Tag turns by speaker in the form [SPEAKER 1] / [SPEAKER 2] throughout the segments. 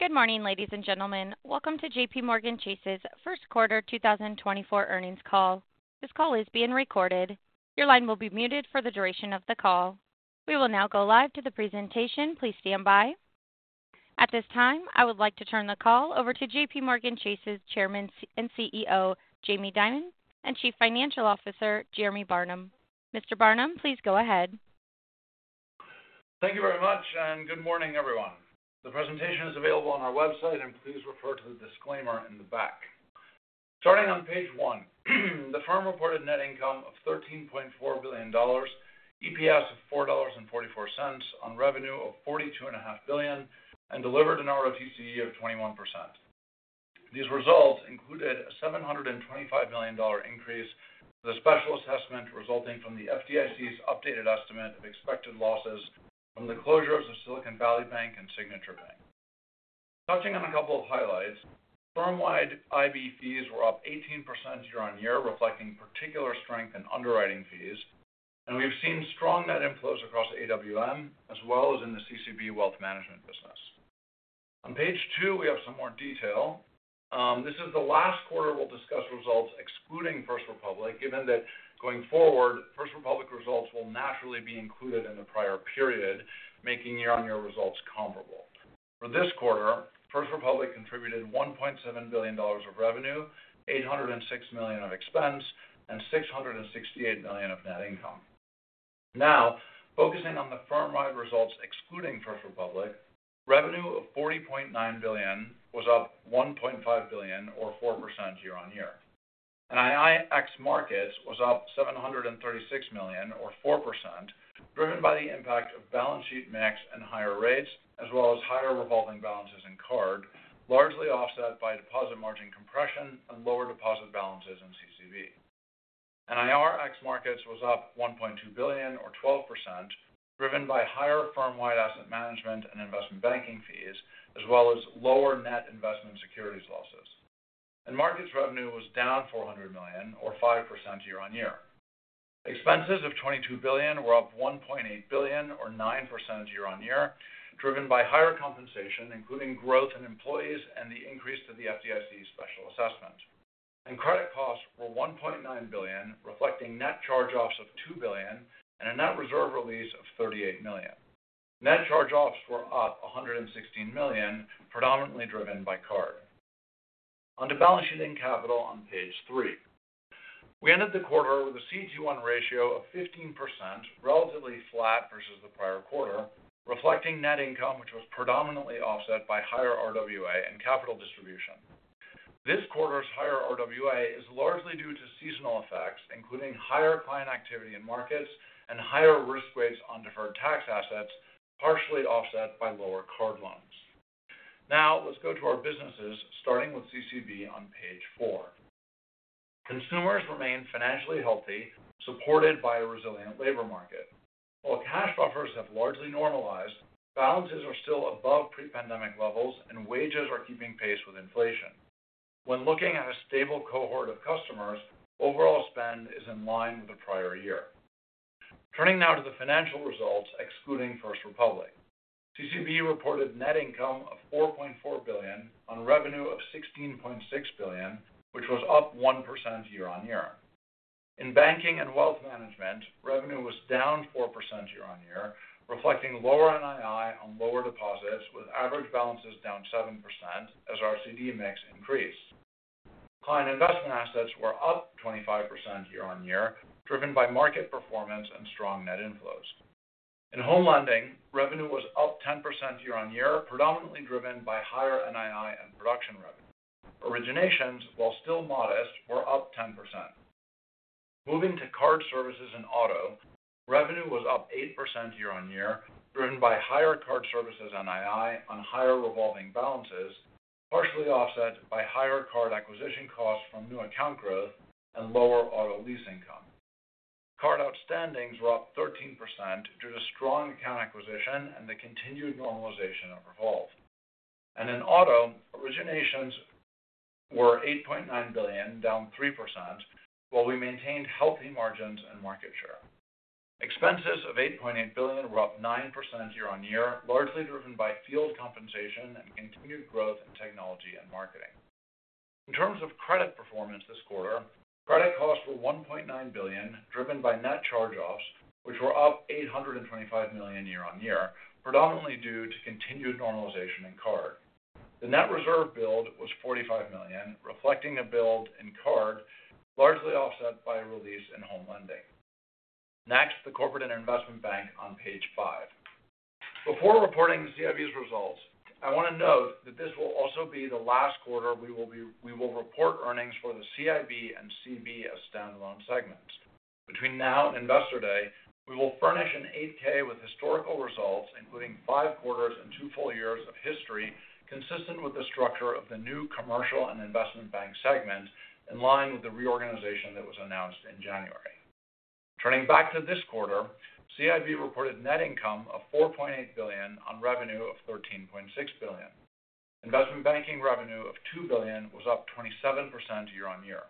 [SPEAKER 1] Good morning, ladies and gentlemen. Welcome to JPMorgan Chase's first quarter 2024 earnings call. This call is being recorded. Your line will be muted for the duration of the call. We will now go live to the presentation. Please stand by. At this time, I would like to turn the call over to JPMorgan Chase's Chairman and CEO Jamie Dimon and Chief Financial Officer Jeremy Barnum. Mr. Barnum, please go ahead.
[SPEAKER 2] Thank you very much, and good morning, everyone. The presentation is available on our website, and please refer to the disclaimer in the back. Starting on page one, the firm reported net income of $13.4 billion, EPS of $4.44, on revenue of $42.5 billion, and delivered an ROTCE of 21%. These results included a $725 million increase to the special assessment resulting from the FDIC's updated estimate of expected losses from the closures of Silicon Valley Bank and Signature Bank. Touching on a couple of highlights, firm-wide IB fees were up 18% year-over-year, reflecting particular strength in underwriting fees, and we've seen strong net inflows across AWM as well as in the CCB wealth management business. On page two, we have some more detail. This is the last quarter we'll discuss results excluding First Republic, given that going forward, First Republic results will naturally be included in the prior period, making year-on-year results comparable. For this quarter, First Republic contributed $1.7 billion of revenue, $806 million of expense, and $668 million of net income. Now, focusing on the firm-wide results excluding First Republic, revenue of $40.9 billion was up $1.5 billion, or 4% year-on-year, and NII ex-Markets was up $736 million, or 4%, driven by the impact of balance sheet mix and higher rates, as well as higher revolving balances in card, largely offset by deposit margin compression and lower deposit balances in CCB. NIR ex-Markets was up $1.2 billion, or 12%, driven by higher firm-wide asset management and investment banking fees, as well as lower net investment securities losses. Markets revenue was down $400 million, or 5% year-on-year. Expenses of $22 billion were up $1.8 billion, or 9% year-over-year, driven by higher compensation, including growth in employees and the increase to the FDIC special assessment. Credit costs were $1.9 billion, reflecting net charge-offs of $2 billion and a net reserve release of $38 million. Net charge-offs were up $116 million, predominantly driven by card. Onto balance sheet and capital on page three. We ended the quarter with a CET1 ratio of 15%, relatively flat versus the prior quarter, reflecting net income which was predominantly offset by higher RWA and capital distribution. This quarter's higher RWA is largely due to seasonal effects, including higher client activity in Markets and higher risk weights on deferred tax assets, partially offset by lower card loans. Now, let's go to our businesses, starting with CCB on page four. Consumers remain financially healthy, supported by a resilient labor market. While cash buffers have largely normalized, balances are still above pre-pandemic levels, and wages are keeping pace with inflation. When looking at a stable cohort of customers, overall spend is in line with the prior year. Turning now to the financial results excluding First Republic. CCB reported net income of $4.4 billion on revenue of $16.6 billion, which was up 1% year-over-year. In Banking & Wealth Management, revenue was down 4% year-over-year, reflecting lower NII on lower deposits, with average balances down 7% as CD mix increased. Client investment assets were up 25% year-over-year, driven by market performance and strong net inflows. In Home Lending, revenue was up 10% year-over-year, predominantly driven by higher NII and production revenue. Originations, while still modest, were up 10%. Moving to Card Services and Auto, revenue was up 8% year-over-year, driven by higher card services NII on higher revolving balances, partially offset by higher card acquisition costs from new account growth and lower auto lease income. Card outstandings were up 13% due to strong account acquisition and the continued normalization of revolve. And in auto, originations were $8.9 billion, down 3%, while we maintained healthy margins and market share. Expenses of $8.8 billion were up 9% year-over-year, largely driven by field compensation and continued growth in technology and marketing. In terms of credit performance this quarter, credit costs were $1.9 billion, driven by net charge-offs, which were up $825 million year-over-year, predominantly due to continued normalization in card. The net reserve build was $45 million, reflecting a build in card, largely offset by a release in Home Lending. Next, the Corporate & Investment Bank on page five. Before reporting the CIB's results, I want to note that this will also be the last quarter we will report earnings for the CIB and CB as standalone segments. Between now and Investor Day, we will furnish an 8-K with historical results, including five quarters and two full years of history consistent with the structure of the new Commercial & Investment Bank segment, in line with the reorganization that was announced in January. Turning back to this quarter, CIB reported net income of $4.8 billion on revenue of $13.6 billion. Investment banking revenue of $2 billion was up 27% year-over-year.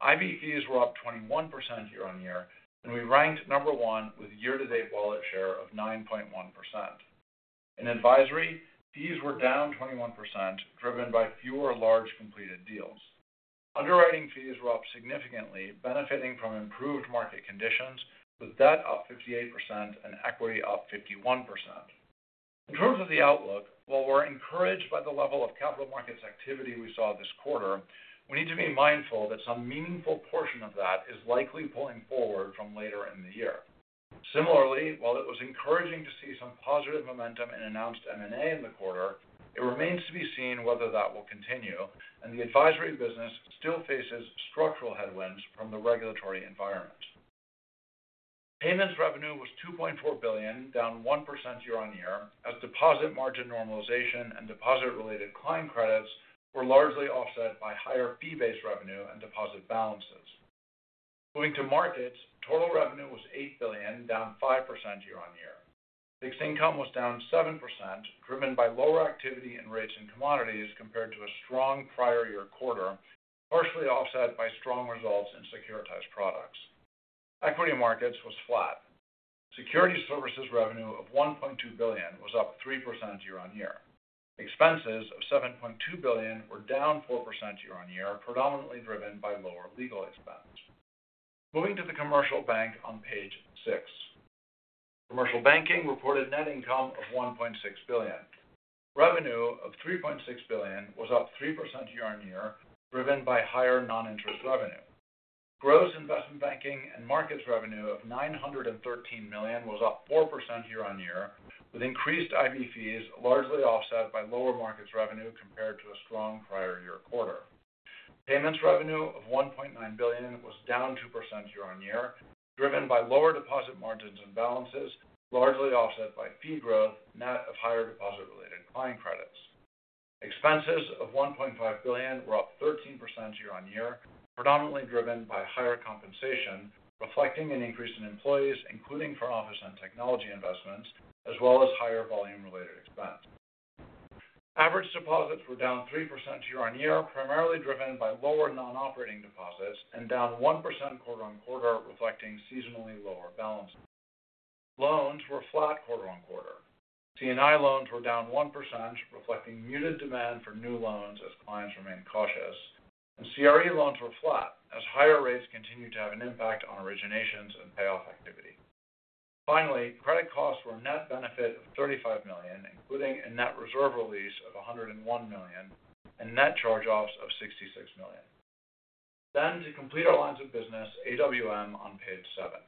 [SPEAKER 2] IB fees were up 21% year-over-year, and we ranked number one with year-to-date wallet share of 9.1%. In advisory, fees were down 21%, driven by fewer large completed deals. Underwriting fees were up significantly, benefiting from improved market conditions, with debt up 58% and equity up 51%. In terms of the outlook, while we're encouraged by the level of capital Markets activity we saw this quarter, we need to be mindful that some meaningful portion of that is likely pulling forward from later in the year. Similarly, while it was encouraging to see some positive momentum in announced M&A in the quarter, it remains to be seen whether that will continue, and the advisory business still faces structural headwinds from the regulatory environment. Payments revenue was $2.4 billion, down 1% year-over-year, as deposit margin normalization and deposit-related client credits were largely offset by higher fee-based revenue and deposit balances. Moving to Markets, total revenue was $8 billion, down 5% year-over-year. Fixed Income was down 7%, driven by lower activity in rates and commodities compared to a strong prior-year quarter, partially offset by strong results in securitized products. Equity Markets was flat. Securities Services revenue of $1.2 billion was up 3% year-over-year. Expenses of $7.2 billion were down 4% year-over-year, predominantly driven by lower legal expense. Moving to the Commercial Bank on page 6. Commercial Banking reported net income of $1.6 billion. Revenue of $3.6 billion was up 3% year-over-year, driven by higher non-interest revenue. Gross investment banking Markets revenue of $913 million was up 4% year-over-year, with increased IB fees largely offset by lower markets revenue compared to a strong prior-year quarter. Payments revenue of $1.9 billion was down 2% year-over-year, driven by lower deposit margins and balances, largely offset by fee growth, net of higher deposit-related client credits. Expenses of $1.5 billion were up 13% year-over-year, predominantly driven by higher compensation, reflecting an increase in employees, including for office and technology investments, as well as higher volume-related expense. Average deposits were down 3% year-over-year, primarily driven by lower non-operating deposits, and down 1% quarter-over-quarter, reflecting seasonally lower balances. Loans were flat quarter-over-quarter. C&I loans were down 1%, reflecting muted demand for new loans as clients remain cautious. And CRE loans were flat, as higher rates continue to have an impact on originations and payoff activity. Finally, credit costs were a net benefit of $35 million, including a net reserve release of $101 million and net charge-offs of $66 million. Then, to complete our lines of business, AWM on page seven.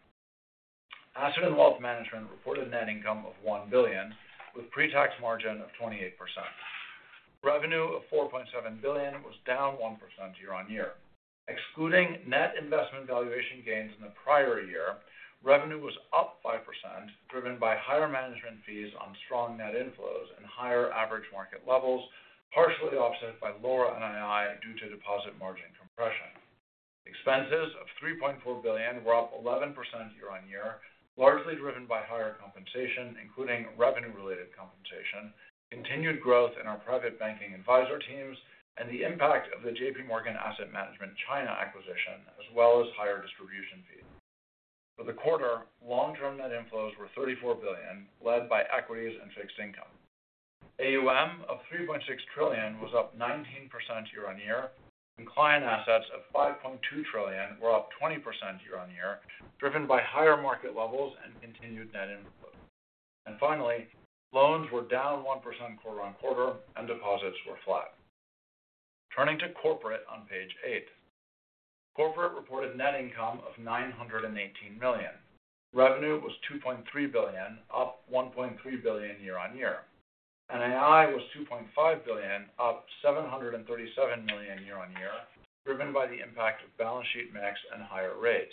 [SPEAKER 2] Asset & Wealth Management reported net income of $1 billion, with a pre-tax margin of 28%. Revenue of $4.7 billion was down 1% year-over-year. Excluding net investment valuation gains in the prior year, revenue was up 5%, driven by higher management fees on strong net inflows and higher average market levels, partially offset by lower NII due to deposit margin compression. Expenses of $3.4 billion were up 11% year-over-year, largely driven by higher compensation, including revenue-related compensation, continued growth in our private banking advisor teams, and the impact of the JPMorgan Asset Management China acquisition, as well as higher distribution fees. For the quarter, long-term net inflows were $34 billion, led by equities and Fixed Income. AUM of $3.6 trillion was up 19% year-over-year, and client assets of $5.2 trillion were up 20% year-over-year, driven by higher market levels and continued net inflows. And finally, loans were down 1% quarter-over-quarter, and deposits were flat. Turning to Corporate on page 8. Corporate reported net income of $918 million. Revenue was $2.3 billion, up $1.3 billion year-over-year. NII was $2.5 billion, up $737 million year-over-year, driven by the impact of balance sheet mix and higher rates.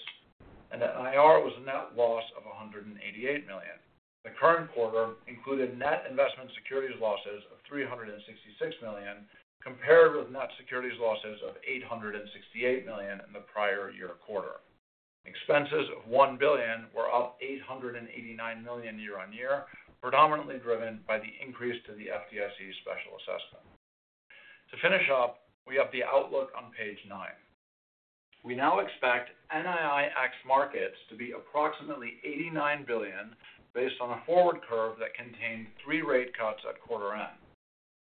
[SPEAKER 2] NIR was a net loss of $188 million. The current quarter included net investment securities losses of $366 million, compared with net securities losses of $868 million in the prior-year quarter. Expenses of $1 billion were up $889 million year-over-year, predominantly driven by the increase to the FDIC special assessment. To finish up, we have the outlook on page 9. We now expect NII ex-Markets to be approximately $89 billion, based on a forward curve that contained 3 rate cuts at quarter end.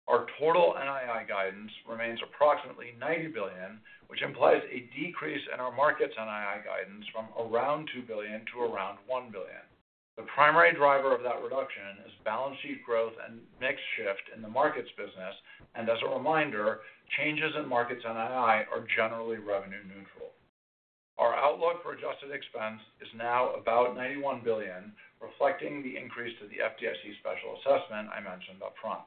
[SPEAKER 2] Our total NII guidance remains approximately $90 billion, which implies a decrease in our Markets NII guidance from around $2 billion to around $1 billion. The primary driver of that reduction is balance sheet growth and mix shift in the Markets business, and as a reminder, changes in Markets NII are generally revenue-neutral. Our outlook for adjusted expense is now about $91 billion, reflecting the increase to the FDIC special assessment I mentioned upfront.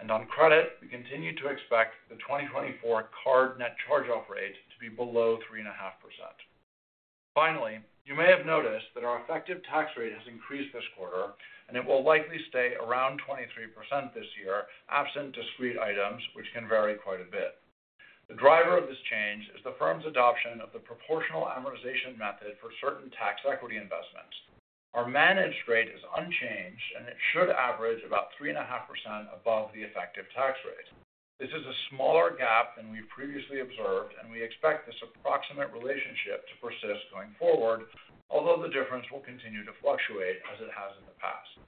[SPEAKER 2] And on credit, we continue to expect the 2024 card net charge-off rate to be below 3.5%. Finally, you may have noticed that our effective tax rate has increased this quarter, and it will likely stay around 23% this year, absent discrete items, which can vary quite a bit. The driver of this change is the firm's adoption of the proportional amortization method for certain tax equity investments. Our managed rate is unchanged, and it should average about 3.5% above the effective tax rate. This is a smaller gap than we've previously observed, and we expect this approximate relationship to persist going forward, although the difference will continue to fluctuate as it has in the past.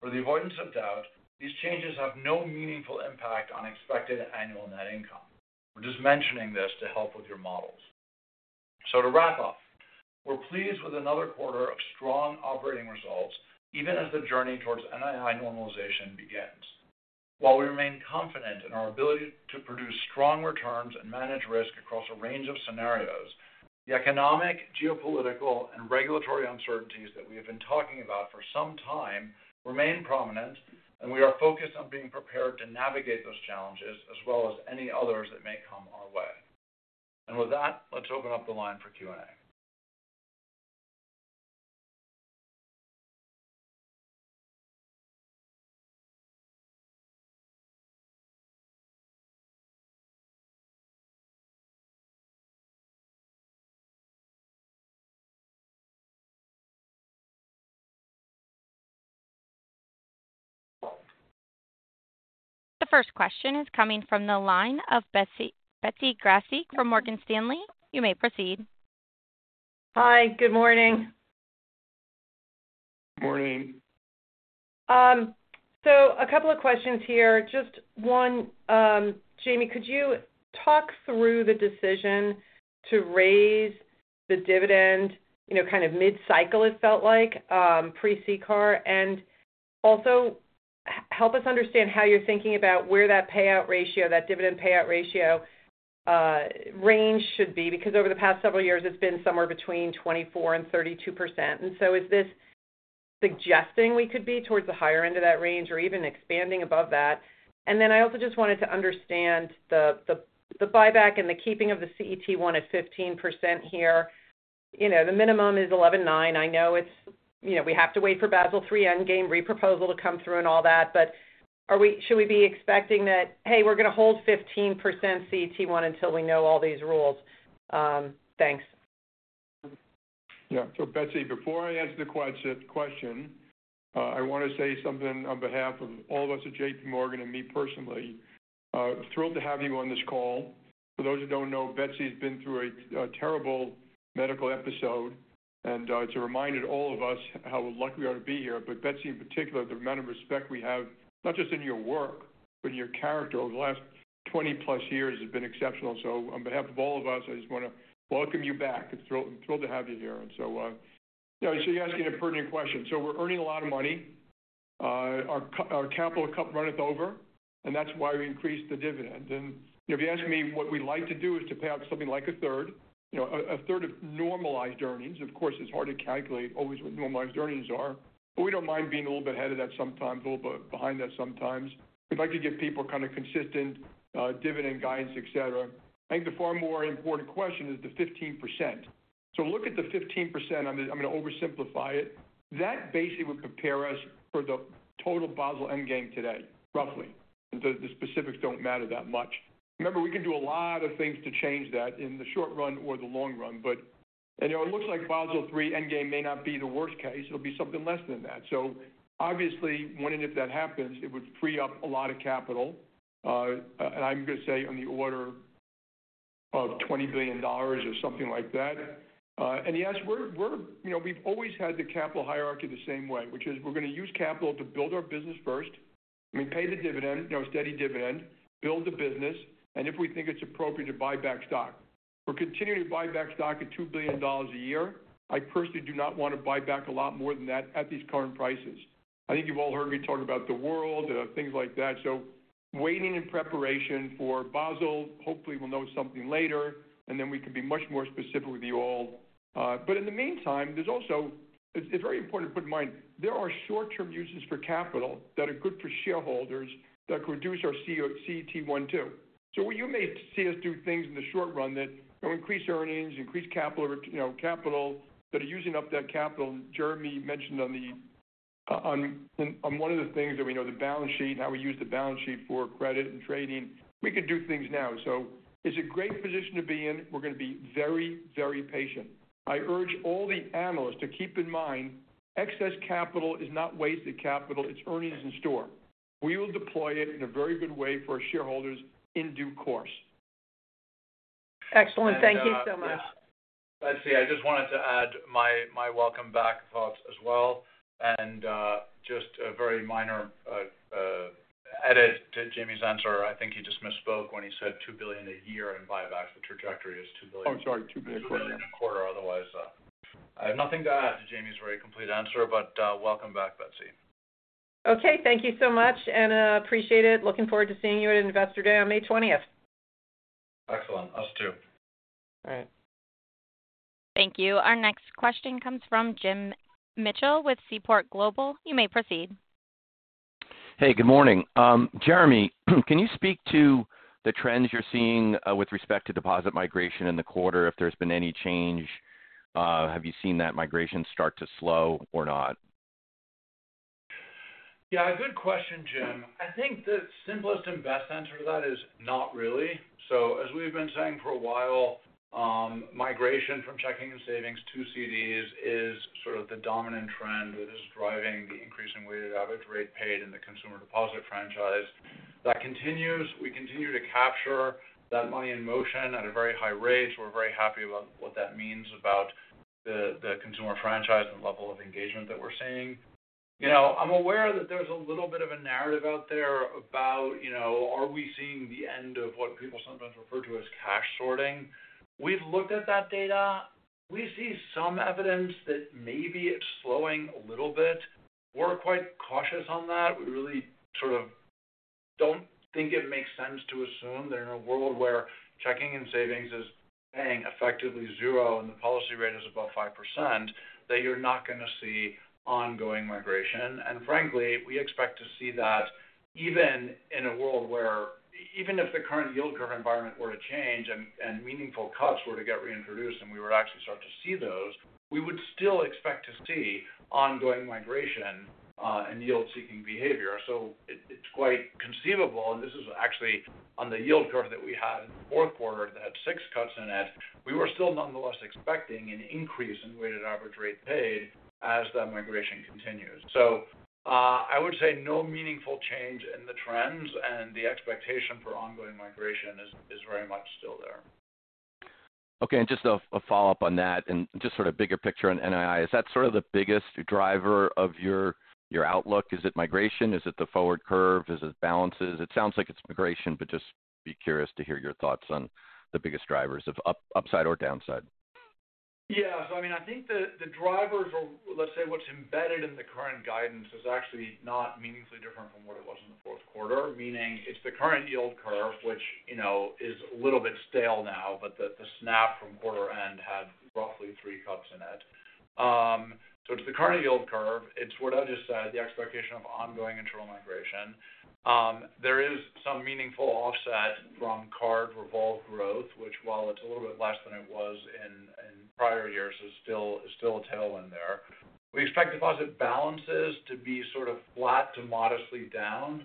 [SPEAKER 2] For the avoidance of doubt, these changes have no meaningful impact on expected annual net income. We're just mentioning this to help with your models. To wrap up, we're pleased with another quarter of strong operating results, even as the journey towards NII normalization begins. While we remain confident in our ability to produce strong returns and manage risk across a range of scenarios, the economic, geopolitical, and regulatory uncertainties that we have been talking about for some time remain prominent, and we are focused on being prepared to navigate those challenges, as well as any others that may come our way. And with that, let's open up the line for Q&A.
[SPEAKER 1] The first question is coming from the line of Betsy Graseck from Morgan Stanley. You may proceed.
[SPEAKER 3] Hi. Good morning. Good morning. So, a couple of questions here. Just one, Jamie, could you talk through the decision to raise the dividend, kind of mid-cycle, it felt like, pre-CCAR, and also help us understand how you're thinking about where that payout ratio, that dividend payout ratio range should be? Because over the past several years, it's been somewhere between 24%-32%. And so, is this suggesting we could be towards the higher end of that range or even expanding above that? And then I also just wanted to understand the buyback and the keeping of the CET1 at 15% here. The minimum is 11.9%. I know we have to wait for Basel III Endgame reproposal to come through and all that, but should we be expecting that, "Hey, we're going to hold 15% CET1 until we know all these rules"? Thanks. Yeah.
[SPEAKER 4] So, Betsy, before I answer the question, I want to say something on behalf of all of us at JPMorgan and me personally. Thrilled to have you on this call. For those who don't know, Betsy's been through a terrible medical episode, and it's a reminder to all of us how lucky we are to be here. But Betsy, in particular, the amount of respect we have, not just in your work, but in your character over the last 20+ years has been exceptional. So, on behalf of all of us, I just want to welcome you back. I'm thrilled to have you here. And so, you're asking a pertinent question. So, we're earning a lot of money. Our capital cup runneth over, and that's why we increased the dividend. And if you ask me what we'd like to do, it's to pay out something like a third, a third of normalized earnings. Of course, it's hard to calculate always what normalized earnings are, but we don't mind being a little bit ahead of that sometimes, a little bit behind that sometimes. We'd like to give people kind of consistent dividend guidance, etc. I think the far more important question is the 15%. So, look at the 15%. I'm going to oversimplify it. That basically would prepare us for the total Basel III Endgame today, roughly. The specifics don't matter that much. Remember, we can do a lot of things to change that in the short run or the long run, but it looks like Basel III Endgame may not be the worst case. It'll be something less than that. So, obviously, when and if that happens, it would free up a lot of capital, and I'm going to say on the order of $20 billion or something like that. And yes, we've always had the capital hierarchy the same way, which is we're going to use capital to build our business first, I mean, pay the dividend, steady dividend, build the business, and if we think it's appropriate to buy back stock. We're continuing to buy back stock at $2 billion a year. I personally do not want to buy back a lot more than that at these current prices. I think you've all heard me talk about the world and things like that. So, waiting in preparation for Basel. Hopefully, we'll know something later, and then we could be much more specific with you all. But in the meantime, it's very important to put in mind there are short-term uses for capital that are good for shareholders that could reduce our CET1 too. So, you may see us do things in the short run that increase earnings, increase capital, that are using up that capital. Jeremy mentioned on one of the things that we know, the balance sheet and how we use the balance sheet for credit and trading. We could do things now. So, it's a great position to be in. We're going to be very, very patient. I urge all the analysts to keep in mind excess capital is not wasted capital. It's earnings in store. We will deploy it in a very good way for our shareholders in due course.
[SPEAKER 3] Excellent. Thank you so much. Betsy, I just wanted to add my welcome back thoughts as well and just a very minor edit to Jamie's answer. I think he just misspoke when he said $2 billion a year and buybacks. The trajectory is $2 billion. Oh, sorry. $2 billion quarter. $2 billion quarter. Otherwise, I have nothing to add to Jamie's very complete answer, but welcome back, Betsy. Okay. Thank you so much, and appreciate it. Looking forward to seeing you at Investor Day on May 20th.
[SPEAKER 2] Excellent. Us too. All right.
[SPEAKER 1] Thank you. Our next question comes from Jim Mitchell with Seaport Global. You may proceed. Hey. Good morning.
[SPEAKER 5] Jeremy, can you speak to the trends you're seeing with respect to deposit migration in the quarter? If there's been any change, have you seen that migration start to slow or not? Yeah.
[SPEAKER 2] Good question, Jim. I think the simplest and best answer to that is not really. So, as we've been saying for a while, migration from checking and savings to CDs is sort of the dominant trend that is driving the increase in weighted average rate paid in the consumer deposit franchise. That continues. We continue to capture that money in motion at a very high rate. So we're very happy about what that means about the consumer franchise and level of engagement that we're seeing. I'm aware that there's a little bit of a narrative out there about, "Are we seeing the end of what people sometimes refer to as cash sorting?" We've looked at that data. We see some evidence that maybe it's slowing a little bit. We're quite cautious on that. We really sort of don't think it makes sense to assume that in a world where checking and savings is paying effectively 0 and the policy rate is above 5%, that you're not going to see ongoing migration. And frankly, we expect to see that even in a world where even if the current yield curve environment were to change and meaningful cuts were to get reintroduced and we would actually start to see those, we would still expect to see ongoing migration and yield-seeking behavior. So it's quite conceivable, and this is actually on the yield curve that we had in the fourth quarter that had 6 cuts in it. We were still nonetheless expecting an increase in weighted average rate paid as that migration continues. So I would say no meaningful change in the trends, and the expectation for ongoing migration is very much still there. Okay.
[SPEAKER 5] And just a follow-up on that and just sort of bigger picture on NII, is that sort of the biggest driver of your outlook? Is it migration? Is it the forward curve? Is it balances? It sounds like it's migration, but just be curious to hear your thoughts on the biggest drivers of upside or downside.
[SPEAKER 2] Yeah. So, I mean, I think the drivers or, let's say, what's embedded in the current guidance is actually not meaningfully different from what it was in the fourth quarter, meaning it's the current yield curve, which is a little bit stale now, but the snap from quarter end had roughly three cuts in it. So it's the current yield curve. It's what I just said, the expectation of ongoing internal migration. There is some meaningful offset from card revolve growth, which while it's a little bit less than it was in prior years, is still a tailwind there. We expect deposit balances to be sort of flat to modestly down.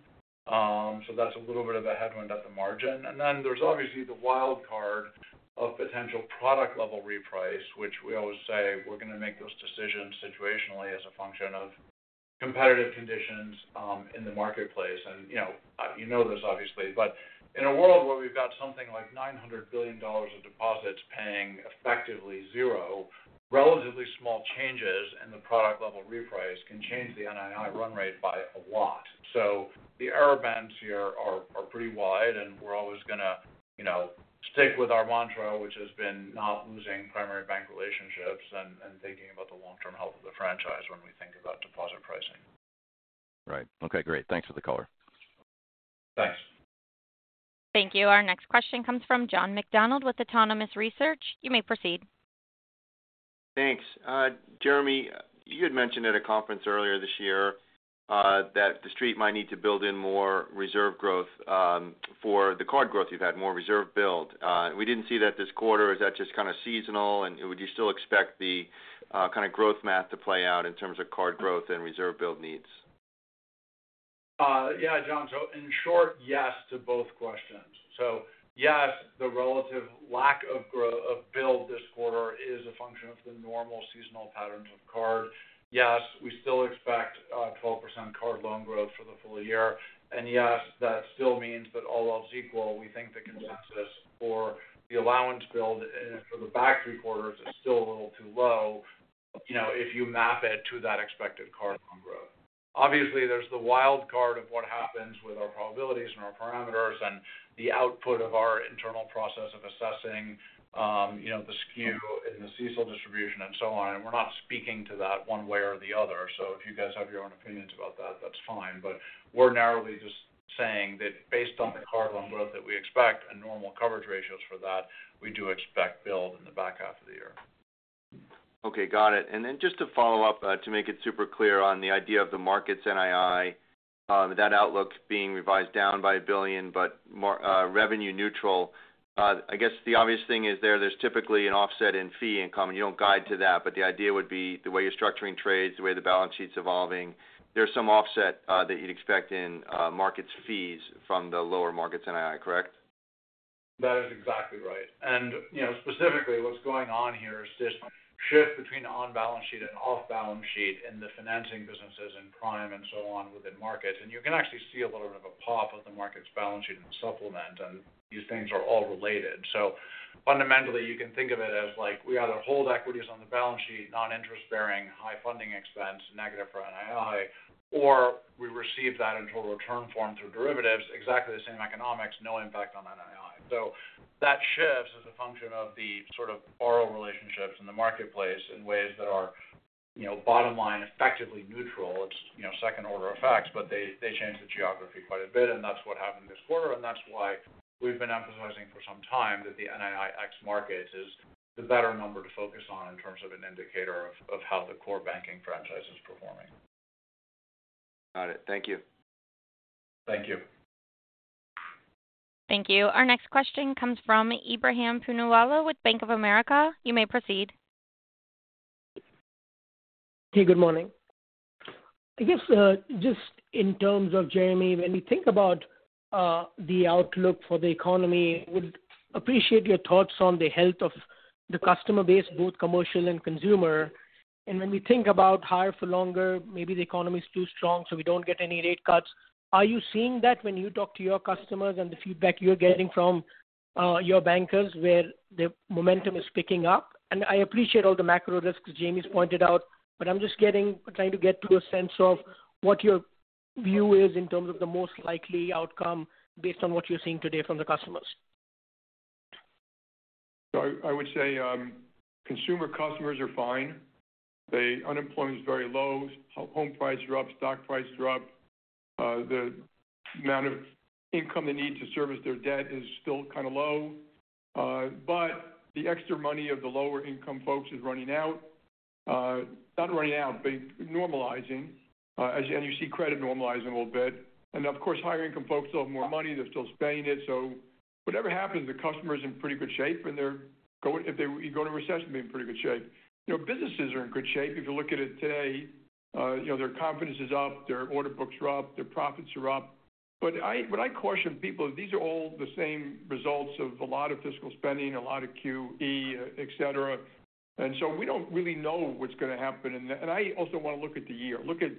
[SPEAKER 2] So that's a little bit of a headwind at the margin. And then there's obviously the wild card of potential product-level reprice, which we always say we're going to make those decisions situationally as a function of competitive conditions in the marketplace. And you know this, obviously, but in a world where we've got something like $900 billion of deposits paying effectively zero, relatively small changes in the product-level reprice can change the NII run rate by a lot. So the error bands here are pretty wide, and we're always going to stick with our mantra, which has been not losing primary bank relationships and thinking about the long-term health of the franchise when we think about deposit pricing.
[SPEAKER 5] Right. Okay. Great. Thanks for the caller.
[SPEAKER 1] Thanks. Thank you. Our next question comes from John McDonald with Autonomous Research. You may proceed.
[SPEAKER 6] Thanks. Jeremy, you had mentioned at a conference earlier this year that the street might need to build in more reserve growth for the card growth you've had, more reserve build. We didn't see that this quarter. Is that just kind of seasonal? And would you still expect the kind of growth math to play out in terms of card growth and reserve build needs?
[SPEAKER 2] Yeah, John. So, in short, yes to both questions. So, yes, the relative lack of build this quarter is a function of the normal seasonal patterns of card. Yes, we still expect 12% card loan growth for the full year. And yes, that still means that all else equal, we think the consensus for the allowance build for the back three quarters is still a little too low if you map it to that expected card loan growth. Obviously, there's the wild card of what happens with our probabilities and our parameters and the output of our internal process of assessing the skew and the CECL distribution and so on. And we're not speaking to that one way or the other. So if you guys have your own opinions about that, that's fine. But we're narrowly just saying that based on the card loan growth that we expect and normal coverage ratios for that, we do expect build in the back half of the year.
[SPEAKER 6] Okay. Got it. And then just to follow up, to make it super clear on the idea of the Markets' NII, that outlook being revised down by $1 billion but revenue neutral, I guess the obvious thing is there's typically an offset in fee income, and you don't guide to that. But the idea would be the way you're structuring trades, the way the balance sheet's evolving, there's some offset that you'd expect in Markets' fees from the lower Markets' NII, correct?
[SPEAKER 2] That is exactly right. And specifically, what's going on here is this shift between on-balance sheet and off-balance sheet in the financing businesses in prime and so on within Markets. And you can actually see a little bit of a pop of the Markets' balance sheet and supplement, and these things are all related. So fundamentally, you can think of it as we either hold equities on the balance sheet, non-interest-bearing, high funding expense, negative for NII, or we receive that in total return form through derivatives, exactly the same economics, no impact on NII. So that shifts as a function of the sort of borrow relationships in the marketplace in ways that are bottom line effectively neutral. It's second-order effects, but they change the geography quite a bit. And that's what happened this quarter. And that's why we've been emphasizing for some time that the NII ex-Markets is the better number to focus on in terms of an indicator of how the core banking franchise is performing.
[SPEAKER 6] Got it. Thank you.
[SPEAKER 2] Thank you.
[SPEAKER 1] Thank you. Our next question comes from Ebrahim Poonawala with Bank of America. You may proceed.
[SPEAKER 7] Hey. Good morning. I guess just in terms of, Jeremy, when we think about the outlook for the economy, I would appreciate your thoughts on the health of the customer base, both commercial and consumer. And when we think about higher for longer, maybe the economy's too strong so we don't get any rate cuts, are you seeing that when you talk to your customers and the feedback you're getting from your bankers where the momentum is picking up? And I appreciate all the macro risks Jamie's pointed out, but I'm just trying to get to a sense of what your view is in terms of the most likely outcome based on what you're seeing today from the customers.
[SPEAKER 4] So I would say consumer customers are fine. The unemployment's very low. Home price drops. Stock price drop. The amount of income they need to service their debt is still kind of low. But the extra money of the lower-income folks is running out. Not running out, but normalizing. And you see credit normalizing a little bit. And of course, higher-income folks still have more money. They're still spending it. So whatever happens, the customer's in pretty good shape, and if you go into recession, they're in pretty good shape. Businesses are in good shape. If you look at it today, their confidence is up. Their order books are up. Their profits are up. But what I caution people, these are all the same results of a lot of fiscal spending, a lot of QE, etc. And so we don't really know what's going to happen. And I also want to look at the year. Look at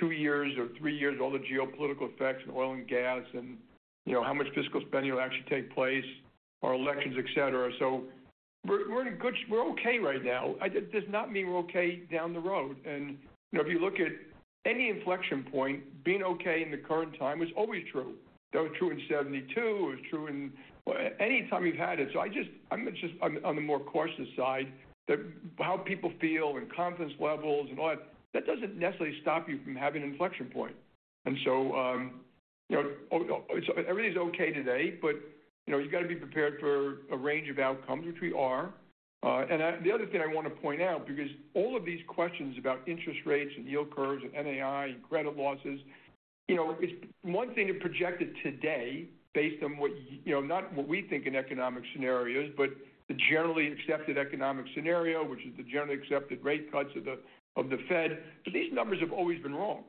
[SPEAKER 4] 2 years or 3 years, all the geopolitical effects and oil and gas and how much fiscal spending will actually take place, our elections, etc. So we're in good we're okay right now. It does not mean we're okay down the road. And if you look at any inflection point, being okay in the current time was always true. That was true in 1972. It was true in any time you've had it. So I'm on the more cautious side. How people feel and confidence levels and all that, that doesn't necessarily stop you from having an inflection point. And so everything's okay today, but you've got to be prepared for a range of outcomes, which we are. And the other thing I want to point out because all of these questions about interest rates and yield curves and NII and credit losses, it's one thing to project it today based on what, not what we think in economic scenarios, but the generally accepted economic scenario, which is the generally accepted rate cuts of the Fed. But these numbers have always been wrong.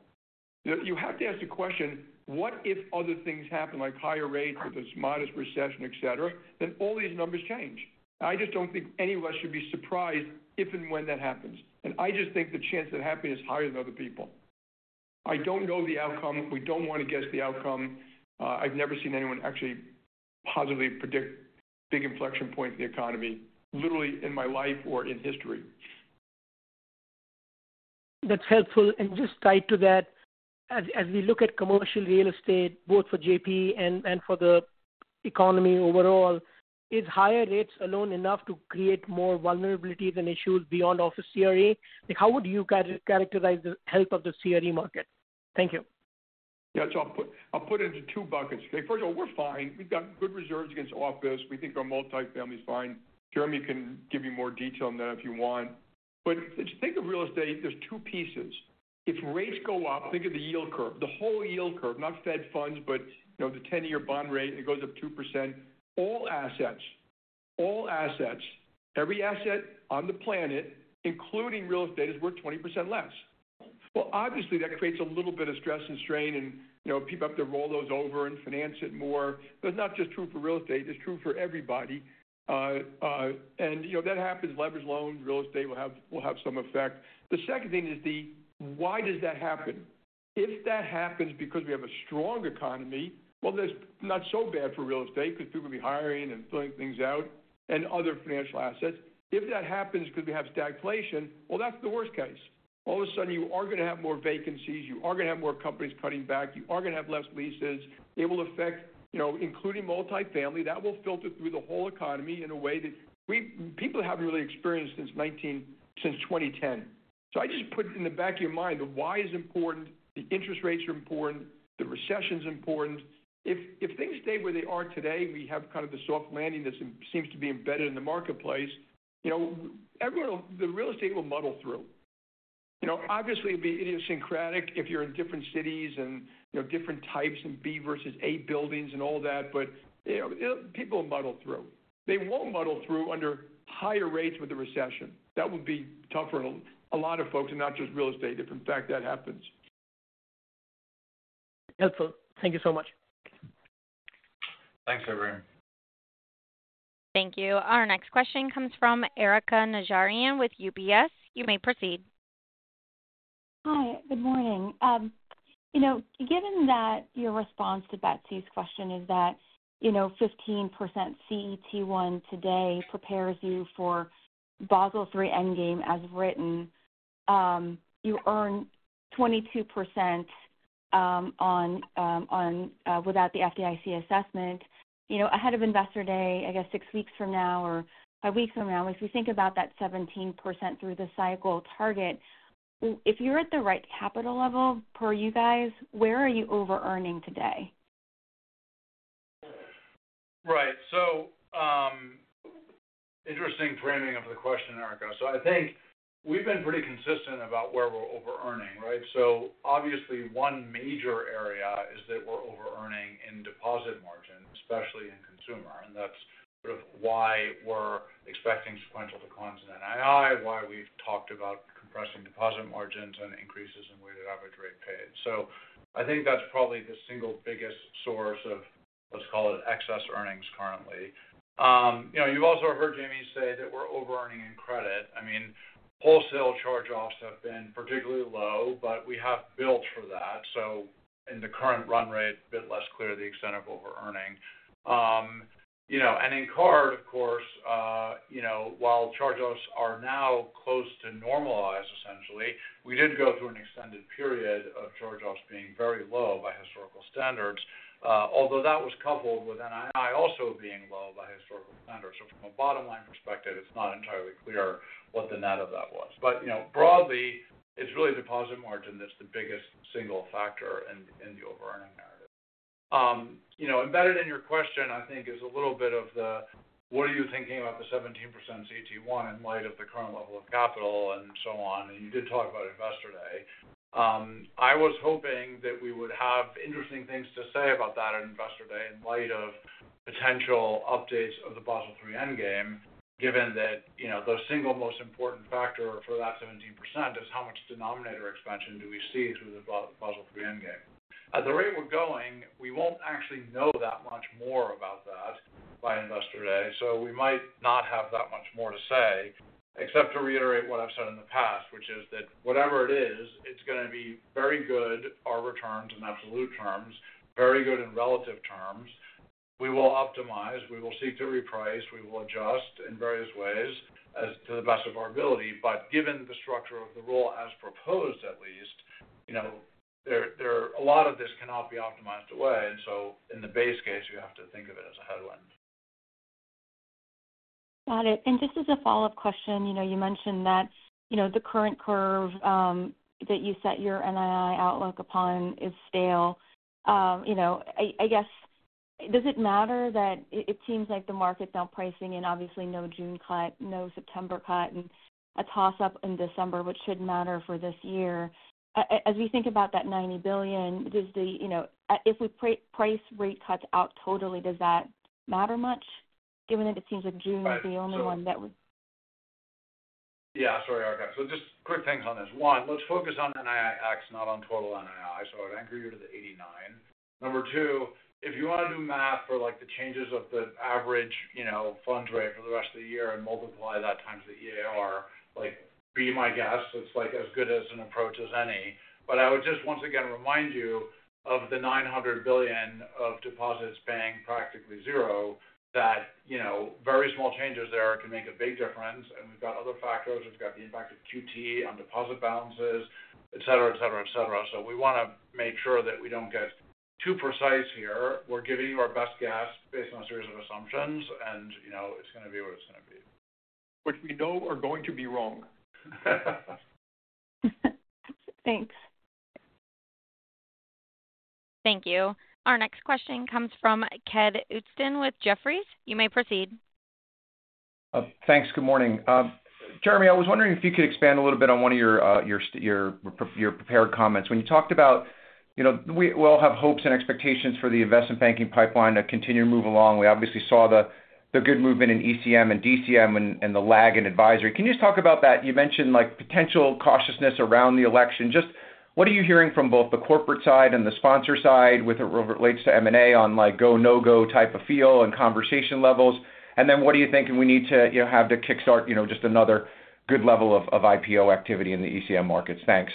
[SPEAKER 4] You have to ask the question, "What if other things happen like higher rates with this modest recession, etc., then all these numbers change?" I just don't think any of us should be surprised if and when that happens. And I just think the chance of that happening is higher than other people. I don't know the outcome. We don't want to guess the outcome. I've never seen anyone actually positively predict big inflection points in the economy literally in my life or in history.
[SPEAKER 7] That's helpful. And just tied to that, as we look at commercial real estate, both for JP and for the economy overall, is higher rates alone enough to create more vulnerabilities and issues beyond office CRE? How would you characterize the health of the CRE market? Thank you.
[SPEAKER 4] Yeah. So I'll put it into two buckets. Okay. First of all, we're fine. We've got good reserves against office. We think our multifamily's fine. Jeremy can give you more detail on that if you want. But if you think of real estate, there's two pieces. If rates go up, think of the yield curve, the whole yield curve, not Fed funds, but the 10-year bond rate, it goes up 2%. All assets, every asset on the planet, including real estate, is worth 20% less. Well, obviously, that creates a little bit of stress and strain and people have to roll those over and finance it more. That's not just true for real estate. It's true for everybody. And that happens. Leveraged loans, real estate will have some effect. The second thing is the, "Why does that happen?" If that happens because we have a strong economy, well, that's not so bad for real estate because people will be hiring and filling things out and other financial assets. If that happens because we have stagflation, well, that's the worst case. All of a sudden, you are going to have more vacancies. You are going to have more companies cutting back. You are going to have less leases. It will affect, including multifamily, that will filter through the whole economy in a way that people haven't really experienced since 2010. So, I just put in the back of your mind the why is important, the interest rates are important, the recession's important. If things stay where they are today, we have kind of the soft landing that seems to be embedded in the marketplace, the real estate will muddle through. Obviously, it'd be idiosyncratic if you're in different cities and different types and B versus A buildings and all that, but people will muddle through. They won't muddle through under higher rates with a recession. That would be tough for a lot of folks and not just real estate. If, in fact, that happens.
[SPEAKER 7] Helpful. Thank you so much .
[SPEAKER 2] Thanks, everyone.
[SPEAKER 1] Thank you. Our next question comes from Erika Najarian with UBS. You may proceed.
[SPEAKER 8] Hi. Good morning. Given that your response to Betsy's question is that 15% CET1 today prepares you for Basel III Endgame as written, you earn 22% without the FDIC assessment. Ahead of Investor Day, I guess 6 weeks from now or 5 weeks from now, if we think about that 17% through the cycle target, if you're at the right capital level per you guys, where are you over-earning today?
[SPEAKER 2] Right. So interesting framing of the question, Erica. So I think we've been pretty consistent about where we're over-earning, right? So obviously, one major area is that we're over-earning in deposit margin. Especially in consumer. And that's sort of why we're expecting sequential declines in NII, why we've talked about compressing deposit margins and increases in weighted average rate paid. So I think that's probably the single biggest source of, let's call it, excess earnings currently. You've also heard Jamie say that we're over-earning in credit. I mean, wholesale charge-offs have been particularly low, but we have built for that. So in the current run rate, a bit less clear the extent of over-earning. And in card, of course, while charge-offs are now close to normalized, essentially, we did go through an extended period of charge-offs being very low by historical standards, although that was coupled with NII also being low by historical standards. So from a bottom line perspective, it's not entirely clear what the net of that was. But broadly, it's really deposit margin that's the biggest single factor in the over-earning narrative. Embedded in your question, I think, is a little bit of the, "What are you thinking about the 17% CET1 in light of the current level of capital and so on?" And you did talk about Investor Day. I was hoping that we would have interesting things to say about that at Investor Day in light of potential updates of the Basel III Endgame, given that the single most important factor for that 17% is how much denominator expansion do we see through the Basel III Endgame. At the rate we're going, we won't actually know that much more about that by Investor Day. So we might not have that much more to say except to reiterate what I've said in the past, which is that whatever it is, it's going to be very good, our returns in absolute terms, very good in relative terms. We will optimize. We will seek to reprice. We will adjust in various ways to the best of our ability. But given the structure of the rule as proposed, at least, a lot of this cannot be optimized away. In the base case, you have to think of it as a headwind. Got it.
[SPEAKER 8] Just as a follow-up question, you mentioned that the current curve that you set your NII outlook upon is stale. I guess, does it matter that it seems like the market's now pricing in, obviously, no June cut, no September cut, and a toss-up in December, which should matter for this year? As we think about that $90 billion, if we price rate cuts out totally, does that matter much given that it seems like June is the only one that would?
[SPEAKER 2] Yeah. Sorry, Erica. Just quick things on this. One, let's focus on NII ex, not on total NII. I'd anchor you to the $89. Number two, if you want to do math for the changes of the average funds rate for the rest of the year and multiply that times the EAR, be my guest. It's as good as an approach as any. But I would just once again remind you of the $900 billion of deposits paying practically zero, that very small changes there can make a big difference. And we've got other factors. We've got the impact of QT on deposit balances, etc., etc., etc. So we want to make sure that we don't get too precise here. We're giving you our best guess based on a series of assumptions, and it's going to be what it's going to be. Which we know are going to be wrong.
[SPEAKER 8] Thanks. Thank you. Our next question comes from Ken Usdin with Jefferies. You may proceed.
[SPEAKER 9] Thanks. Good morning. Jeremy, I was wondering if you could expand a little bit on one of your prepared comments. When you talked about, "We all have hopes and expectations for the investment banking pipeline to continue to move along." We obviously saw the good movement in ECM and DCM and the lag in advisory. Can you just talk about that? You mentioned potential cautiousness around the election. Just what are you hearing from both the Corporate side and the sponsor side when it relates to M&A on go, no-go type of feel and conversation levels? And then what do you think we need to have to kickstart just another good level of IPO activity in the ECM Markets? Thanks.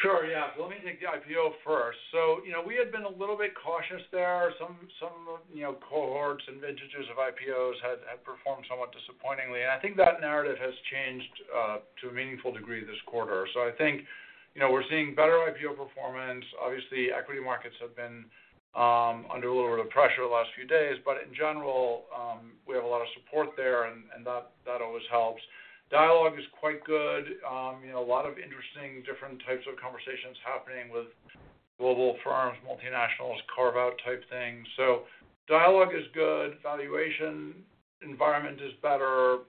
[SPEAKER 2] Sure. Yeah. Let me take the IPO first. So we had been a little bit cautious there. Some cohorts and vintages of IPOs had performed somewhat disappointingly. And I think that narrative has changed to a meaningful degree this quarter. So I think we're seeing better IPO performance. Obviously, equity Markets have been under a little bit of pressure the last few days. But in general, we have a lot of support there, and that always helps. Dialogue is quite good. A lot of interesting different types of conversations happening with global firms, multinationals, carve-out type things. So dialogue is good. Valuation environment is better,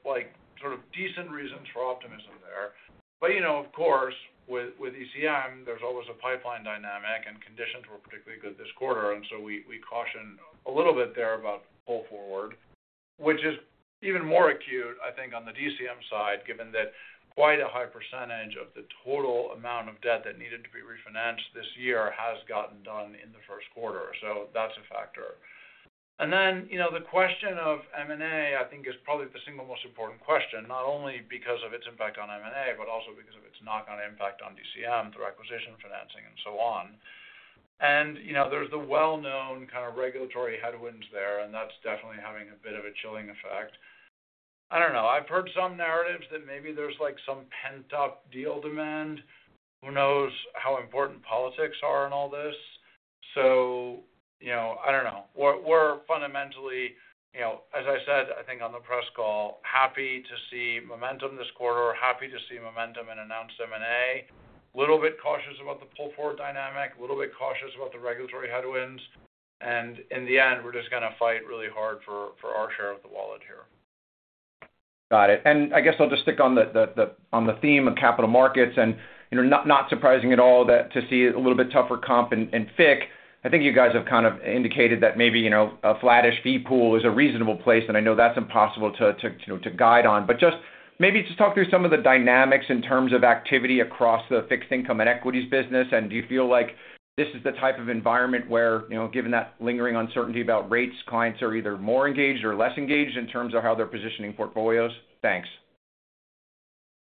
[SPEAKER 2] sort of decent reasons for optimism there. But of course, with ECM, there's always a pipeline dynamic, and conditions were particularly good this quarter. And so we caution a little bit there about pull forward, which is even more acute, I think, on the DCM side given that quite a high percentage of the total amount of debt that needed to be refinanced this year has gotten done in the first quarter. That's a factor. Then the question of M&A, I think, is probably the single most important question, not only because of its impact on M&A but also because of its knock-on impact on DCM through acquisition financing and so on. There's the well-known kind of regulatory headwinds there, and that's definitely having a bit of a chilling effect. I don't know. I've heard some narratives that maybe there's some pent-up deal demand. Who knows how important politics are in all this? I don't know. We're fundamentally, as I said, I think, on the press call, happy to see momentum this quarter, happy to see momentum in announced M&A, a little bit cautious about the pull forward dynamic, a little bit cautious about the regulatory headwinds. In the end, we're just going to fight really hard for our share of the wallet here. Got it.
[SPEAKER 9] I guess I'll just stick on the theme of capital Markets and not surprising at all to see a little bit tougher comp and FICC. I think you guys have kind of indicated that maybe a flat-ish fee pool is a reasonable place, and I know that's impossible to guide on. Maybe just talk through some of the dynamics in terms of activity across the Fixed Income and equities business. Do you feel like this is the type of environment where, given that lingering uncertainty about rates, clients are either more engaged or less engaged in terms of how they're positioning portfolios? Thanks.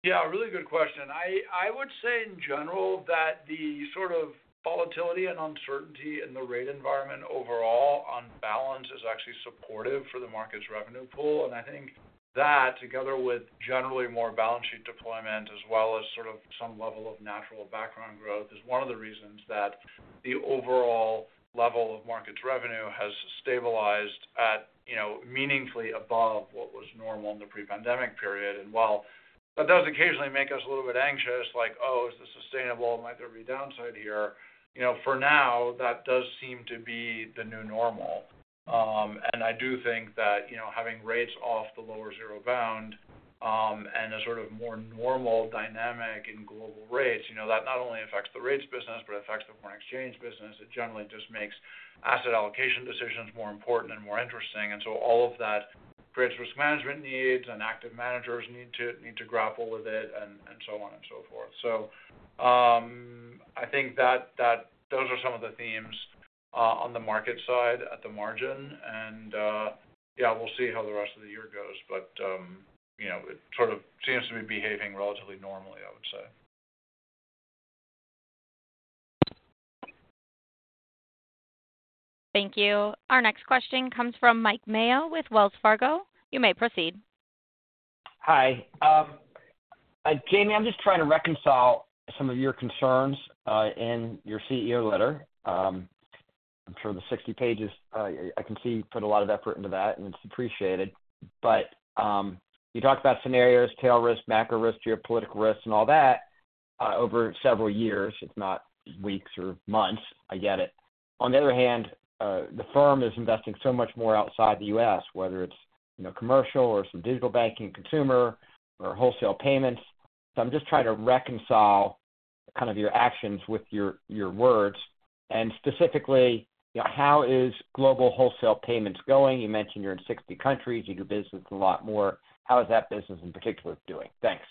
[SPEAKER 2] Yeah. Really good question. I would say, in general, that the sort of volatility and uncertainty in the rate environment overall on balance is actually supportive for the market's revenue pool. I think that, together with generally more balance sheet deployment as well as sort of some level of natural background growth, is one of the reasons that the overall level of market's revenue has stabilized at meaningfully above what was normal in the pre-pandemic period. While that does occasionally make us a little bit anxious, like, "Oh, is this sustainable? Might there be downside here?" For now, that does seem to be the new normal. I do think that having rates off the lower zero bound and a sort of more normal dynamic in global rates, that not only affects the rates business but affects the foreign exchange business. It generally just makes asset allocation decisions more important and more interesting. All of that creates risk management needs, and active managers need to grapple with it and so on and so forth. So I think those are some of the themes on the market side at the margin. And yeah, we'll see how the rest of the year goes. But it sort of seems to be behaving relatively normally, I would say.
[SPEAKER 1] Thank you. Our next question comes from Mike Mayo with Wells Fargo. You may proceed.
[SPEAKER 10] Hi. Jamie, I'm just trying to reconcile some of your concerns in your CEO letter. I'm sure the 60 pages, I can see, put a lot of effort into that, and it's appreciated. But you talked about scenarios, tail risk, macro risk, geopolitical risks, and all that over several years. It's not weeks or months. I get it. On the other hand, the firm is investing so much more outside the U.S., whether it's commercial or some digital banking, consumer, or wholesale payments. So I'm just trying to reconcile kind of your actions with your words. And specifically, how is global wholesale payments going? You mentioned you're in 60 countries. You do business a lot more. How is that business in particular doing? Thanks.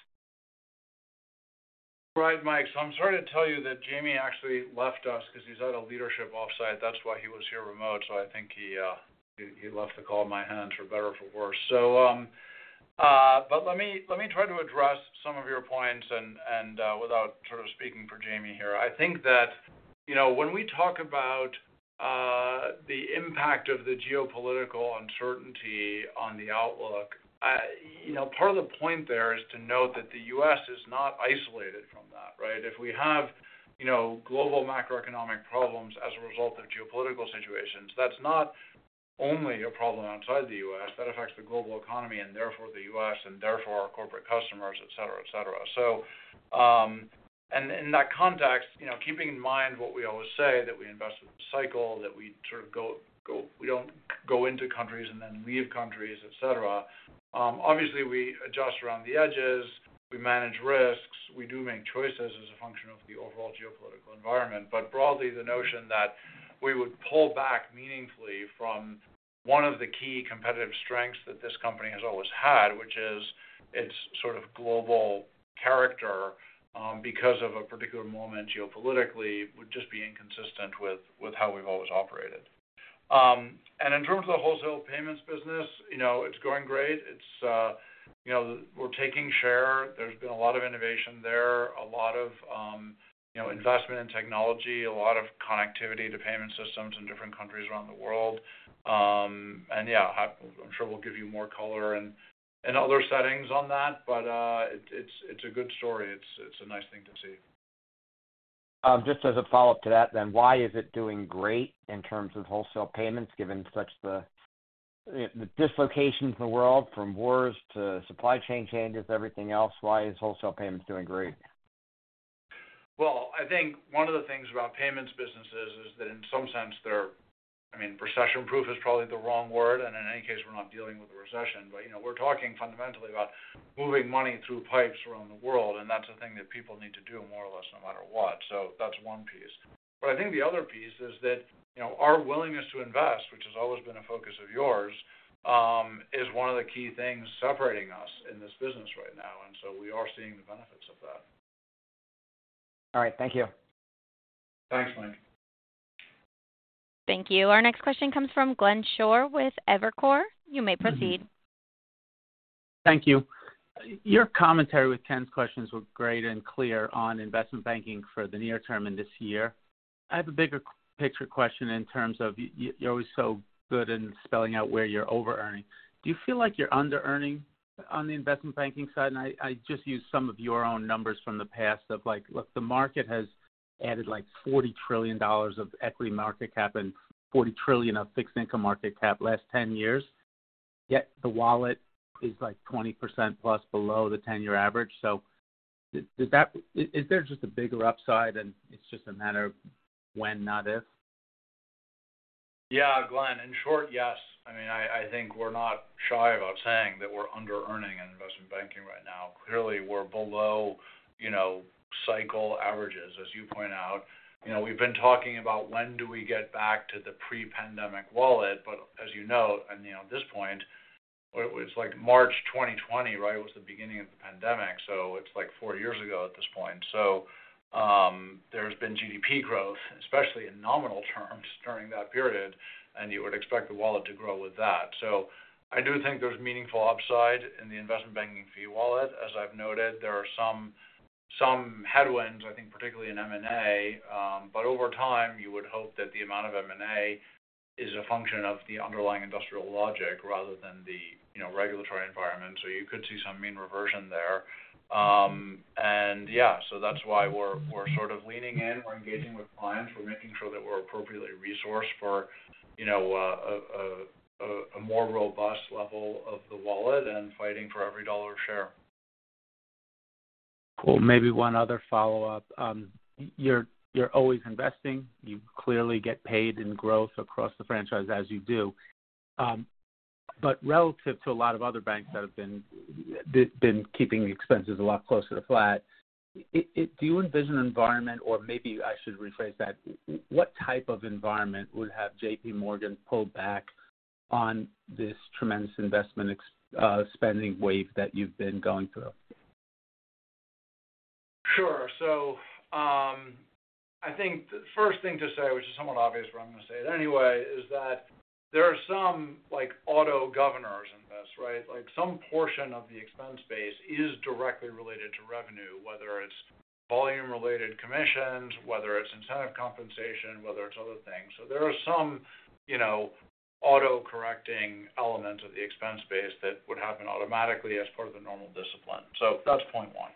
[SPEAKER 10] Right,
[SPEAKER 2] Mike. So I'm sorry to tell you that Jamie actually left us because he's at a leadership offsite. That's why he was here remote. So I think he left the call in my hands, for better or for worse. But let me try to address some of your points without sort of speaking for Jamie here. I think that when we talk about the impact of the geopolitical uncertainty on the outlook, part of the point there is to note that the U.S. is not isolated from that, right? If we have global macroeconomic problems as a result of geopolitical situations, that's not only a problem outside the U.S. That affects the global economy and therefore the U.S. and therefore our Corporate customers, etc., etc. And in that context, keeping in mind what we always say, that we invest with the cycle, that we sort of go we don't go into countries and then leave countries, etc., obviously, we adjust around the edges. We manage risks. We do make choices as a function of the overall geopolitical environment. But broadly, the notion that we would pull back meaningfully from one of the key competitive strengths that this company has always had, which is its sort of global character because of a particular moment geopolitically, would just be inconsistent with how we've always operated. And in terms of the wholesale payments business, it's going great. We're taking share. There's been a lot of innovation there, a lot of investment in technology, a lot of connectivity to payment systems in different countries around the world. And yeah, I'm sure we'll give you more color in other settings on that. But it's a good story. It's a nice thing to see.
[SPEAKER 10] Just as a follow-up to that then, why is it doing great in terms of wholesale payments given such the dislocation in the world from wars to supply chain changes, everything else? Why is wholesale payments doing great?
[SPEAKER 2] Well, I think one of the things about payments businesses is that in some sense, they're. I mean, recession proof is probably the wrong word. And in any case, we're not dealing with a recession. But we're talking fundamentally about moving money through pipes around the world. That's a thing that people need to do more or less no matter what. So that's one piece. But I think the other piece is that our willingness to invest, which has always been a focus of yours, is one of the key things separating us in this business right now. And so we are seeing the benefits of that.
[SPEAKER 10] All right. Thank you.
[SPEAKER 2] Thanks, Mike.
[SPEAKER 1] Thank you. Our next question comes from Glenn Schorr with Evercore. You may proceed.
[SPEAKER 11] Thank you. Your commentary with Ken's questions were great and clear on investment banking for the near term and this year. I have a bigger picture question in terms of you're always so good in spelling out where you're over-earning. Do you feel like you're under-earning on the investment banking side? And I just used some of your own numbers from the past of, "Look, the market has added like $40 trillion of equity market cap and $40 trillion of Fixed Income market cap last 10 years, yet the wallet is like 20%+ below the 10-year average." So is there just a bigger upside, and it's just a matter of when, not if?
[SPEAKER 2] Yeah, Glenn. In short, yes. I mean, I think we're not shy about saying that we're under-earning in investment banking right now. Clearly, we're below cycle averages, as you point out. We've been talking about when do we get back to the pre-pandemic wallet. But as you note, and at this point, it's like March 2020, right, was the beginning of the pandemic. So it's like four years ago at this point. So there's been GDP growth, especially in nominal terms, during that period, and you would expect the wallet to grow with that. So I do think there's meaningful upside in the investment banking fee wallet. As I've noted, there are some headwinds, I think, particularly in M&A. But over time, you would hope that the amount of M&A is a function of the underlying industrial logic rather than the regulatory environment. So you could see some mean reversion there. And yeah, so that's why we're sort of leaning in. We're engaging with clients. We're making sure that we're appropriately resourced for a more robust level of the wallet and fighting for every dollar share.
[SPEAKER 11] Cool. Maybe one other follow-up. You're always investing. You clearly get paid in growth across the franchise as you do. But relative to a lot of other banks that have been keeping expenses a lot closer to flat, do you envision an environment or maybe I should rephrase that? What type of environment would have JPMorgan pulled back on this tremendous investment spending wave that you've been going through?
[SPEAKER 2] Sure. So I think the first thing to say, which is somewhat obvious what I'm going to say it anyway, is that there are some auto governors in this, right? Some portion of the expense base is directly related to revenue, whether it's volume-related commissions, whether it's incentive compensation, whether it's other things. So there are some autocorrecting elements of the expense base that would happen automatically as part of the normal discipline. So that's point one.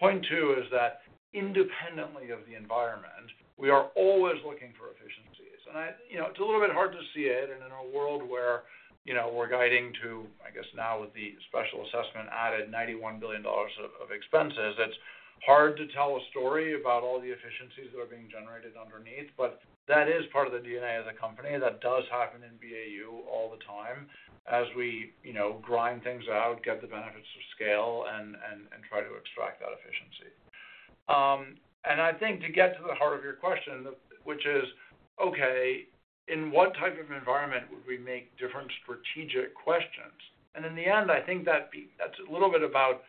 [SPEAKER 2] Point two is that independently of the environment, we are always looking for efficiencies. And it's a little bit hard to see it. In a world where we're guiding to, I guess now with the special assessment added $91 billion of expenses, it's hard to tell a story about all the efficiencies that are being generated underneath. But that is part of the DNA of the company. That does happen in BAU all the time as we grind things out, get the benefits of scale, and try to extract that efficiency. And I think to get to the heart of your question, which is, "Okay, in what type of environment would we make different strategic questions?" And in the end, I think that's a little bit about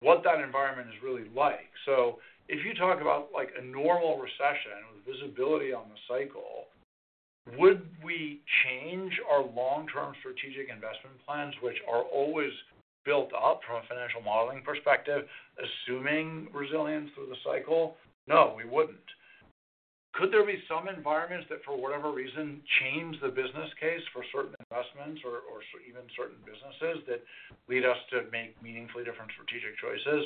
[SPEAKER 2] what that environment is really like. So if you talk about a normal recession with visibility on the cycle, would we change our long-term strategic investment plans, which are always built up from a financial modeling perspective, assuming resilience through the cycle? No, we wouldn't. Could there be some environments that, for whatever reason, change the business case for certain investments or even certain businesses that lead us to make meaningfully different strategic choices?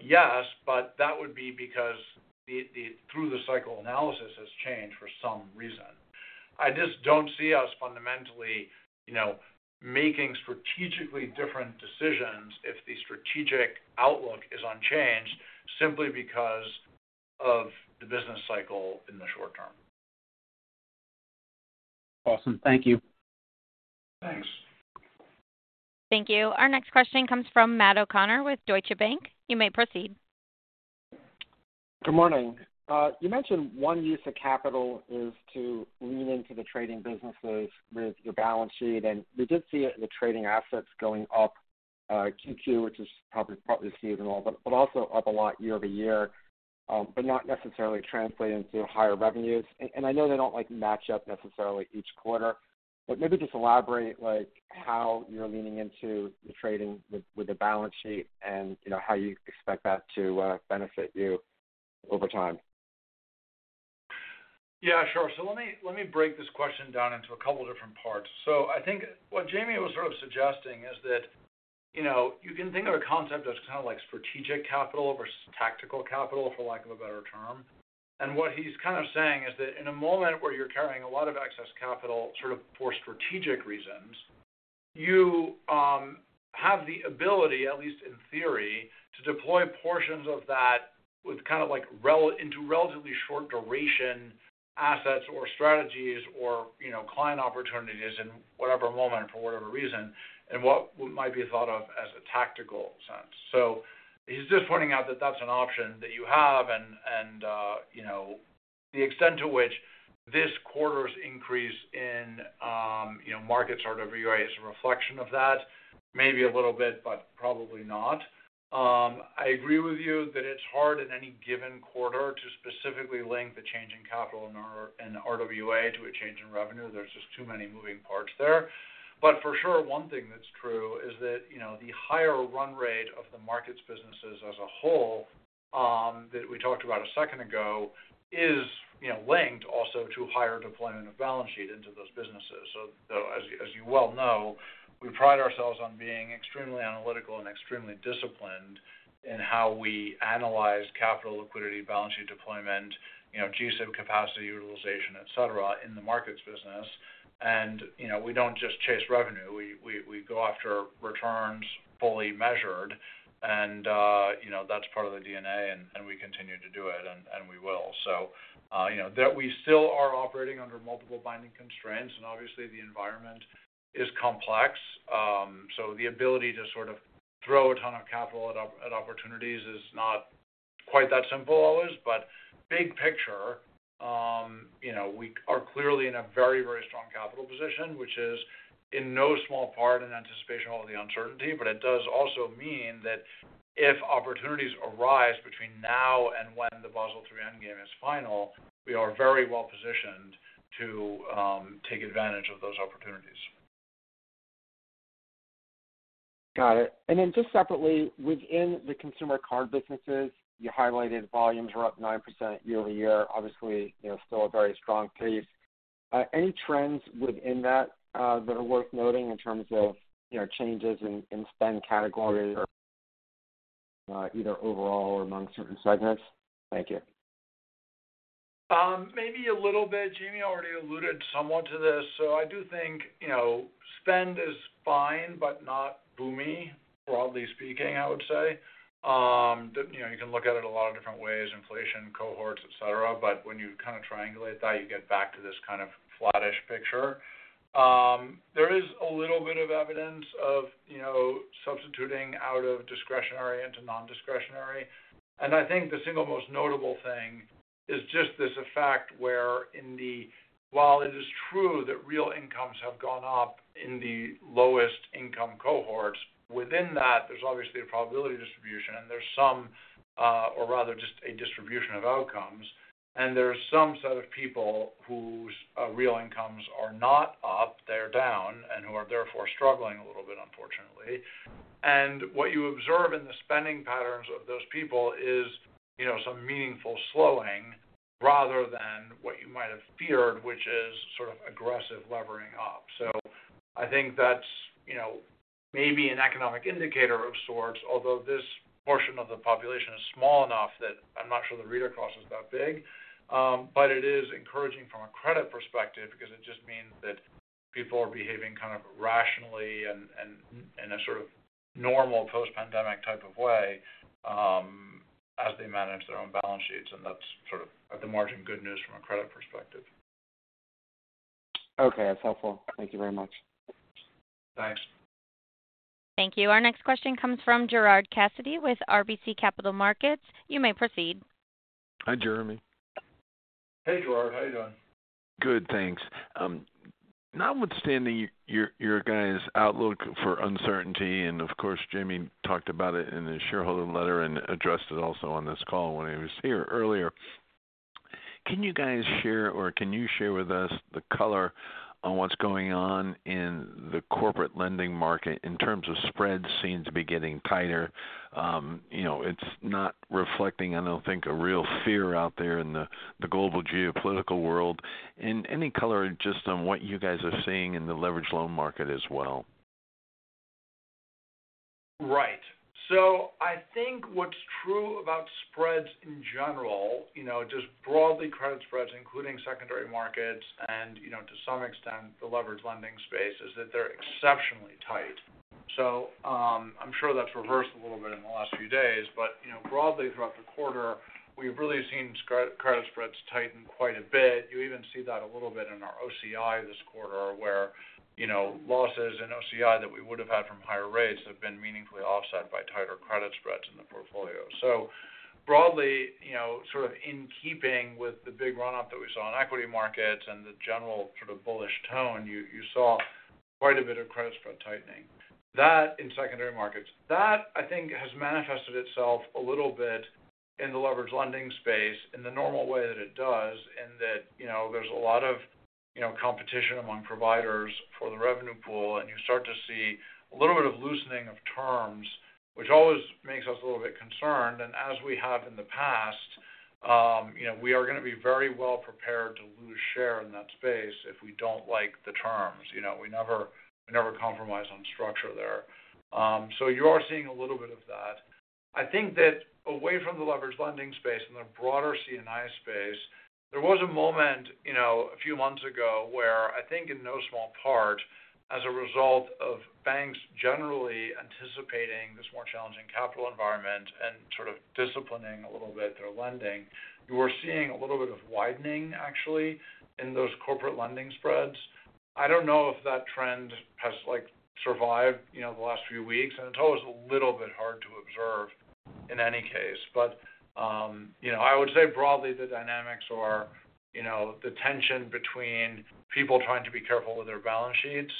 [SPEAKER 2] Yes, but that would be because through the cycle analysis has changed for some reason. I just don't see us fundamentally making strategically different decisions if the strategic outlook is unchanged simply because of the business cycle in the short term.
[SPEAKER 11] Awesome. Thank you.
[SPEAKER 1] Thanks. Thank you. Our next question comes from Matt O'Connor with Deutsche Bank. You may proceed.
[SPEAKER 12] Good morning. You mentioned one use of capital is to lean into the trading businesses with your balance sheet. And we did see the trading assets going up, Q-on-Q, which is probably seasonal, but also up a lot year-over-year, but not necessarily translated into higher revenues. I know they don't match up necessarily each quarter, but maybe just elaborate how you're leaning into the trading with the balance sheet and how you expect that to benefit you over time.
[SPEAKER 2] Yeah, sure. Let me break this question down into a couple of different parts. I think what Jamie was sort of suggesting is that you can think of a concept that's kind of like strategic capital versus tactical capital, for lack of a better term. What he's kind of saying is that in a moment where you're carrying a lot of excess capital sort of for strategic reasons, you have the ability, at least in theory, to deploy portions of that into relatively short-duration assets or strategies or client opportunities in whatever moment for whatever reason in what might be thought of as a tactical sense. So he's just pointing out that that's an option that you have and the extent to which this quarter's increase in Markets RWA is a reflection of that, maybe a little bit, but probably not. I agree with you that it's hard in any given quarter to specifically link the change in capital in RWA to a change in revenue. There's just too many moving parts there. But for sure, one thing that's true is that the higher run rate of the Markets businesses as a whole that we talked about a second ago is linked also to higher deployment of balance sheet into those businesses. So as you well know, we pride ourselves on being extremely analytical and extremely disciplined in how we analyze capital liquidity, balance sheet deployment, GSIB capacity utilization, etc., in the Markets business. And we don't just chase revenue. We go after returns fully measured. That's part of the DNA. We continue to do it, and we will. So we still are operating under multiple binding constraints. Obviously, the environment is complex. So the ability to sort of throw a ton of capital at opportunities is not quite that simple always. But big picture, we are clearly in a very, very strong capital position, which is in no small part an anticipation of all the uncertainty. But it does also mean that if opportunities arise between now and when the Basel III Endgame is final, we are very well positioned to take advantage of those opportunities.
[SPEAKER 12] Got it. Then just separately, within the consumer card businesses, you highlighted volumes are up 9% year-over-year, obviously, still a very strong pace. Any trends within that that are worth noting in terms of changes in spend categories or either overall or among certain segments? Thank you.
[SPEAKER 2] Maybe a little bit. Jamie already alluded somewhat to this. So I do think spend is fine but not boomy, broadly speaking, I would say. You can look at it a lot of different ways, inflation, cohorts, etc. But when you kind of triangulate that, you get back to this kind of flat-ish picture. There is a little bit of evidence of substituting out of discretionary into non-discretionary. And I think the single most notable thing is just this effect where while it is true that real incomes have gone up in the lowest income cohorts, within that, there's obviously a probability distribution. And there's some or rather just a distribution of outcomes. And there's some set of people whose real incomes are not up. They're down and who are therefore struggling a little bit, unfortunately. And what you observe in the spending patterns of those people is some meaningful slowing rather than what you might have feared, which is sort of aggressive levering up. So I think that's maybe an economic indicator of sorts, although this portion of the population is small enough that I'm not sure the read-through is that big. But it is encouraging from a credit perspective because it just means that people are behaving kind of rationally and in a sort of normal post-pandemic type of way as they manage their own balance sheets. And that's sort of, at the margin, good news from a credit perspective.
[SPEAKER 12] Okay. That's helpful. Thank you very much.
[SPEAKER 2] Thanks.
[SPEAKER 1] Thank you. Our next question comes from Gerard Cassidy with RBC Capital Markets. You may proceed.
[SPEAKER 13] Hi, Jeremy.
[SPEAKER 2] Hey, Gerard. How are you doing?
[SPEAKER 13] Good. Thanks. Notwithstanding your guys' outlook for uncertainty and of course, Jamie talked about it in his shareholder letter and addressed it also on this call when he was here earlier. Can you guys share or can you share with us the color on what's going on in the corporate lending market in terms of spreads seem to be getting tighter? It's not reflecting, I don't think, a real fear out there in the global geopolitical world. And any color just on what you guys are seeing in the leveraged loan market as well?
[SPEAKER 2] Right. So I think what's true about spreads in general, just broadly credit spreads, including secondary Markets and to some extent the leveraged lending space, is that they're exceptionally tight. So I'm sure that's reversed a little bit in the last few days. But broadly throughout the quarter, we've really seen credit spreads tighten quite a bit. You even see that a little bit in our OCI this quarter where losses in OCI that we would have had from higher rates have been meaningfully offset by tighter credit spreads in the portfolio. So broadly, sort of in keeping with the big run-up that we saw in equity Markets and the general sort of bullish tone, you saw quite a bit of credit spread tightening. That in secondary Markets, I think has manifested itself a little bit in the leveraged lending space in the normal way that it does in that there's a lot of competition among providers for the revenue pool. And you start to see a little bit of loosening of terms, which always makes us a little bit concerned. As we have in the past, we are going to be very well prepared to lose share in that space if we don't like the terms. We never compromise on structure there. So you are seeing a little bit of that. I think that away from the leveraged lending space and the broader C&I space, there was a moment a few months ago where I think in no small part, as a result of banks generally anticipating this more challenging capital environment and sort of disciplining a little bit their lending, you were seeing a little bit of widening, actually, in those corporate lending spreads. I don't know if that trend has survived the last few weeks. It's always a little bit hard to observe in any case. But I would say broadly, the dynamics or the tension between people trying to be careful with their balance sheets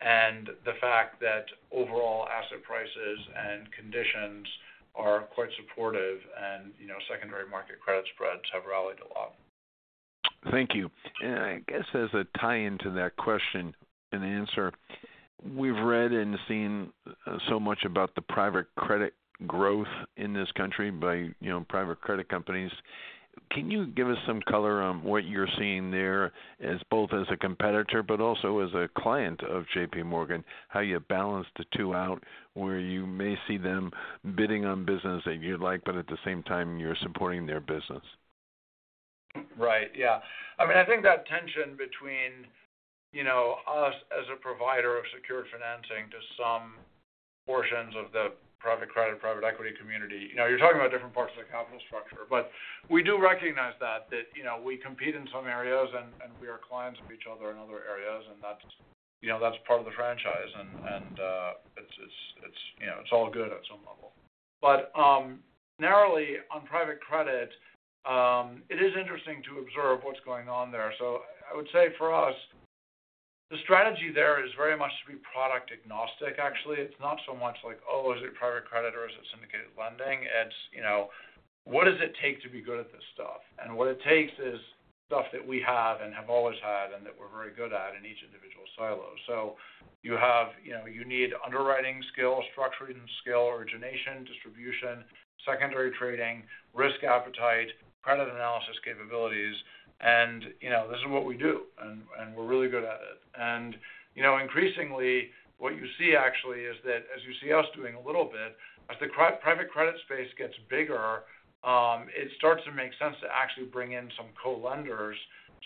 [SPEAKER 2] and the fact that overall asset prices and conditions are quite supportive and secondary market credit spreads have rallied a lot.
[SPEAKER 13] Thank you. And I guess as a tie-in to that question and answer, we've read and seen so much about the private credit growth in this country by private credit companies. Can you give us some color on what you're seeing there both as a competitor but also as a client of JPMorgan, how you balance the two out where you may see them bidding on business that you'd like, but at the same time, you're supporting their business?
[SPEAKER 2] Right. Yeah. I mean, I think that tension between us as a provider of secured financing to some portions of the private credit, private equity community, you're talking about different parts of the capital structure. But we do recognize that we compete in some areas, and we are clients of each other in other areas. And that's part of the franchise. And it's all good at some level. But narrowly on private credit, it is interesting to observe what's going on there. So I would say for us, the strategy there is very much to be product-agnostic, actually. It's not so much like, "Oh, is it private credit or is it syndicated lending?" It's, "What does it take to be good at this stuff?" And what it takes is stuff that we have and have always had and that we're very good at in each individual silo. So you need underwriting skill, structuring skill, origination, distribution, secondary trading, risk appetite, credit analysis capabilities. And this is what we do, and we're really good at it. And increasingly, what you see actually is that as you see us doing a little bit, as the private credit space gets bigger, it starts to make sense to actually bring in some co-lenders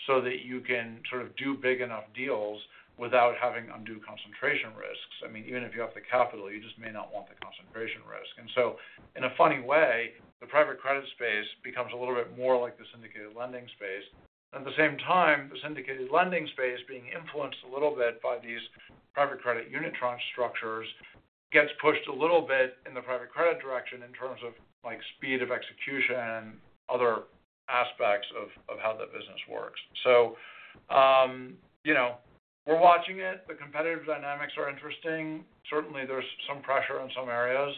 [SPEAKER 2] so that you can sort of do big enough deals without having undue concentration risks. I mean, even if you have the capital, you just may not want the concentration risk. And so in a funny way, the private credit space becomes a little bit more like the syndicated lending space. At the same time, the syndicated lending space being influenced a little bit by these private credit unitranche structures gets pushed a little bit in the private credit direction in terms of speed of execution and other aspects of how that business works. So we're watching it. The competitive dynamics are interesting. Certainly, there's some pressure in some areas.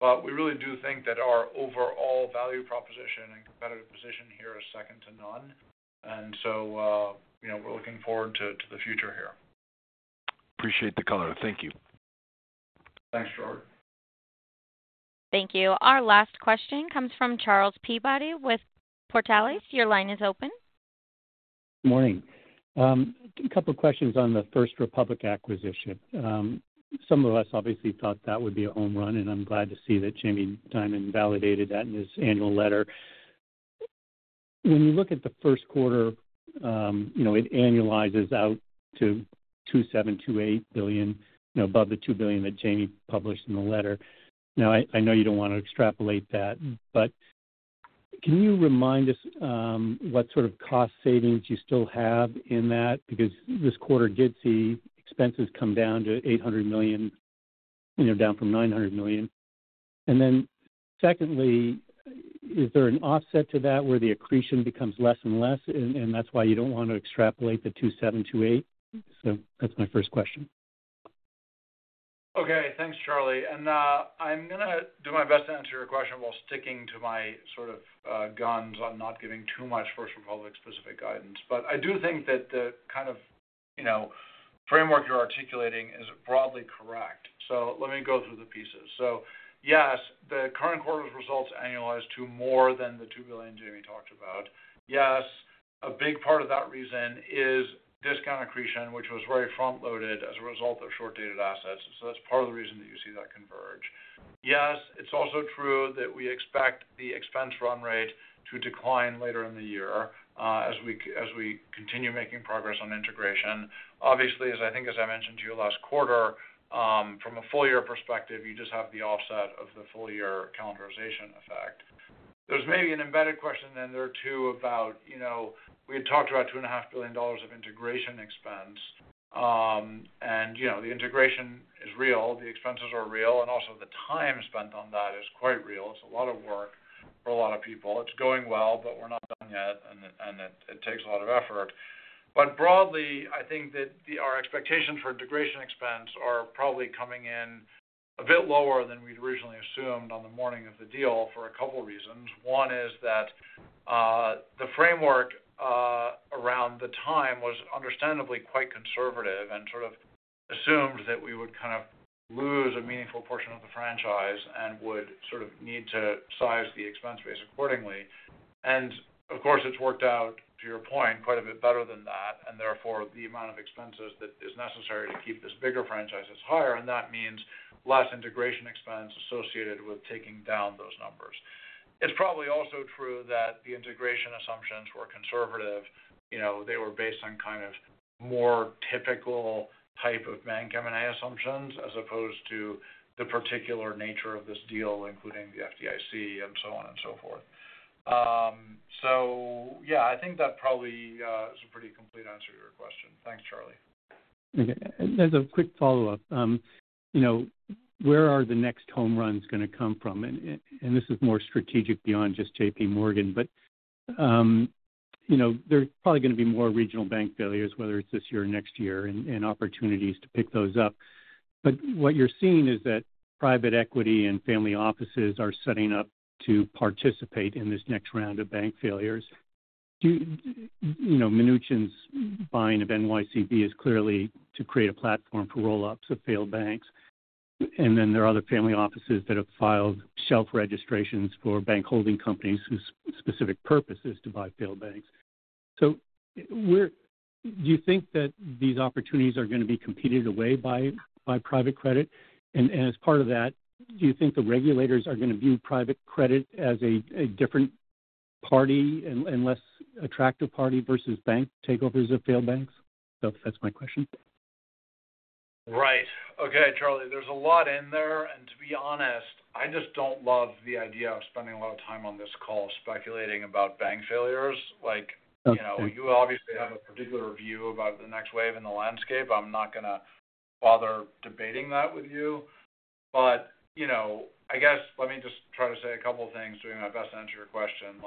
[SPEAKER 2] But we really do think that our overall value proposition and competitive position here is second to none. And so we're looking forward to the future here. Appreciate the color.
[SPEAKER 13] Thank you.
[SPEAKER 1] Thanks, Gerard. Thank you. Our last question comes from Charles Peabody with Portales. Your line is open.
[SPEAKER 14] Good morning. A couple of questions on the First Republic acquisition. Some of us obviously thought that would be a home run, and I'm glad to see that Jamie Dimon validated that in his annual letter. When you look at the first quarter, it annualizes out to $27 billion-$28 billion, above the $2 billion that Jamie published in the letter. Now, I know you don't want to extrapolate that, but can you remind us what sort of cost savings you still have in that? Because this quarter did see expenses come down to $800 million, down from $900 million. And then secondly, is there an offset to that where the accretion becomes less and less, and that's why you don't want to extrapolate the $27 billion-$28 billion? So that's my first question.
[SPEAKER 2] Okay. Thanks, Charlie. And I'm going to do my best to answer your question while sticking to my sort of guns on not giving too much First Republic-specific guidance. But I do think that the kind of framework you're articulating is broadly correct. So let me go through the pieces. So yes, the current quarter's results annualize to more than the $2 billion Jamie talked about. Yes, a big part of that reason is discount accretion, which was very front-loaded as a result of short-dated assets. So that's part of the reason that you see that converge. Yes, it's also true that we expect the expense run rate to decline later in the year as we continue making progress on integration. Obviously, as I think, as I mentioned to you last quarter, from a full-year perspective, you just have the offset of the full-year calendarization effect. There's maybe an embedded question in there too about we had talked about $2.5 billion of integration expense. And the integration is real. The expenses are real. And also the time spent on that is quite real. It's a lot of work for a lot of people. It's going well, but we're not done yet, and it takes a lot of effort. Broadly, I think that our expectations for integration expense are probably coming in a bit lower than we'd originally assumed on the morning of the deal for a couple of reasons. One is that the framework around the time was understandably quite conservative and sort of assumed that we would kind of lose a meaningful portion of the franchise and would sort of need to size the expense base accordingly. Of course, it's worked out, to your point, quite a bit better than that. Therefore, the amount of expenses that is necessary to keep this bigger franchise is higher. That means less integration expense associated with taking down those numbers. It's probably also true that the integration assumptions were conservative. They were based on kind of more typical type of bank M&A assumptions as opposed to the particular nature of this deal, including the FDIC and so on and so forth. So yeah, I think that probably is a pretty complete answer to your question. Thanks, Charlie.
[SPEAKER 14] Okay. As a quick follow-up, where are the next home runs going to come from? And this is more strategic beyond just JPMorgan. But there's probably going to be more regional bank failures, whether it's this year or next year, and opportunities to pick those up. But what you're seeing is that private equity and family offices are setting up to participate in this next round of bank failures. Mnuchin's buying of NYCB is clearly to create a platform for roll-ups of failed banks. And then there are other family offices that have filed shelf registrations for bank holding companies whose specific purpose is to buy failed banks. So do you think that these opportunities are going to be competed away by private credit? And as part of that, do you think the regulators are going to view private credit as a different party and less attractive party versus bank takeovers of failed banks? So that's my question.
[SPEAKER 2] Right. Okay, Charlie. There's a lot in there. And to be honest, I just don't love the idea of spending a lot of time on this call speculating about bank failures. You obviously have a particular view about the next wave in the landscape. I'm not going to bother debating that with you. But I guess let me just try to say a couple of things doing my best to answer your question.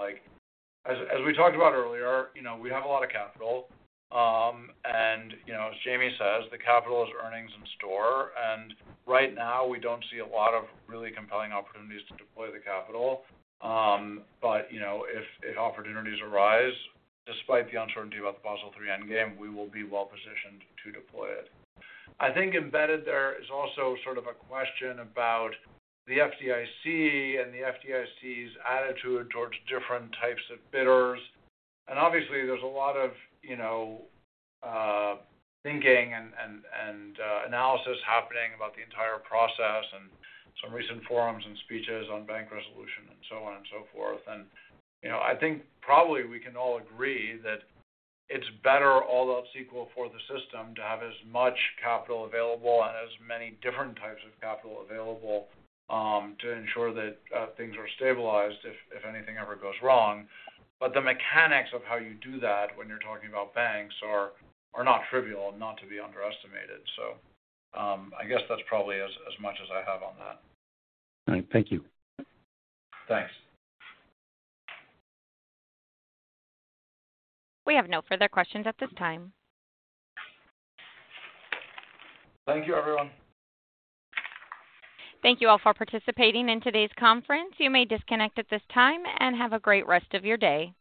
[SPEAKER 2] As we talked about earlier, we have a lot of capital. As Jamie says, the capital is earnings in store. Right now, we don't see a lot of really compelling opportunities to deploy the capital. But if opportunities arise, despite the uncertainty about the Basel III Endgame, we will be well-positioned to deploy it. I think embedded there is also sort of a question about the FDIC and the FDIC's attitude towards different types of bidders. Obviously, there's a lot of thinking and analysis happening about the entire process and some recent forums and speeches on bank resolution and so on and so forth. I think probably we can all agree that it's better all that's equal for the system to have as much capital available and as many different types of capital available to ensure that things are stabilized if anything ever goes wrong. But the mechanics of how you do that when you're talking about banks are not trivial, not to be underestimated. So I guess that's probably as much as I have on that. All right.
[SPEAKER 14] Thank you.
[SPEAKER 2] Thanks.
[SPEAKER 1] We have no further questions at this time.
[SPEAKER 2] Thank you, everyone.
[SPEAKER 1] Thank you all for participating in today's conference. You may disconnect at this time and have a great rest of your day.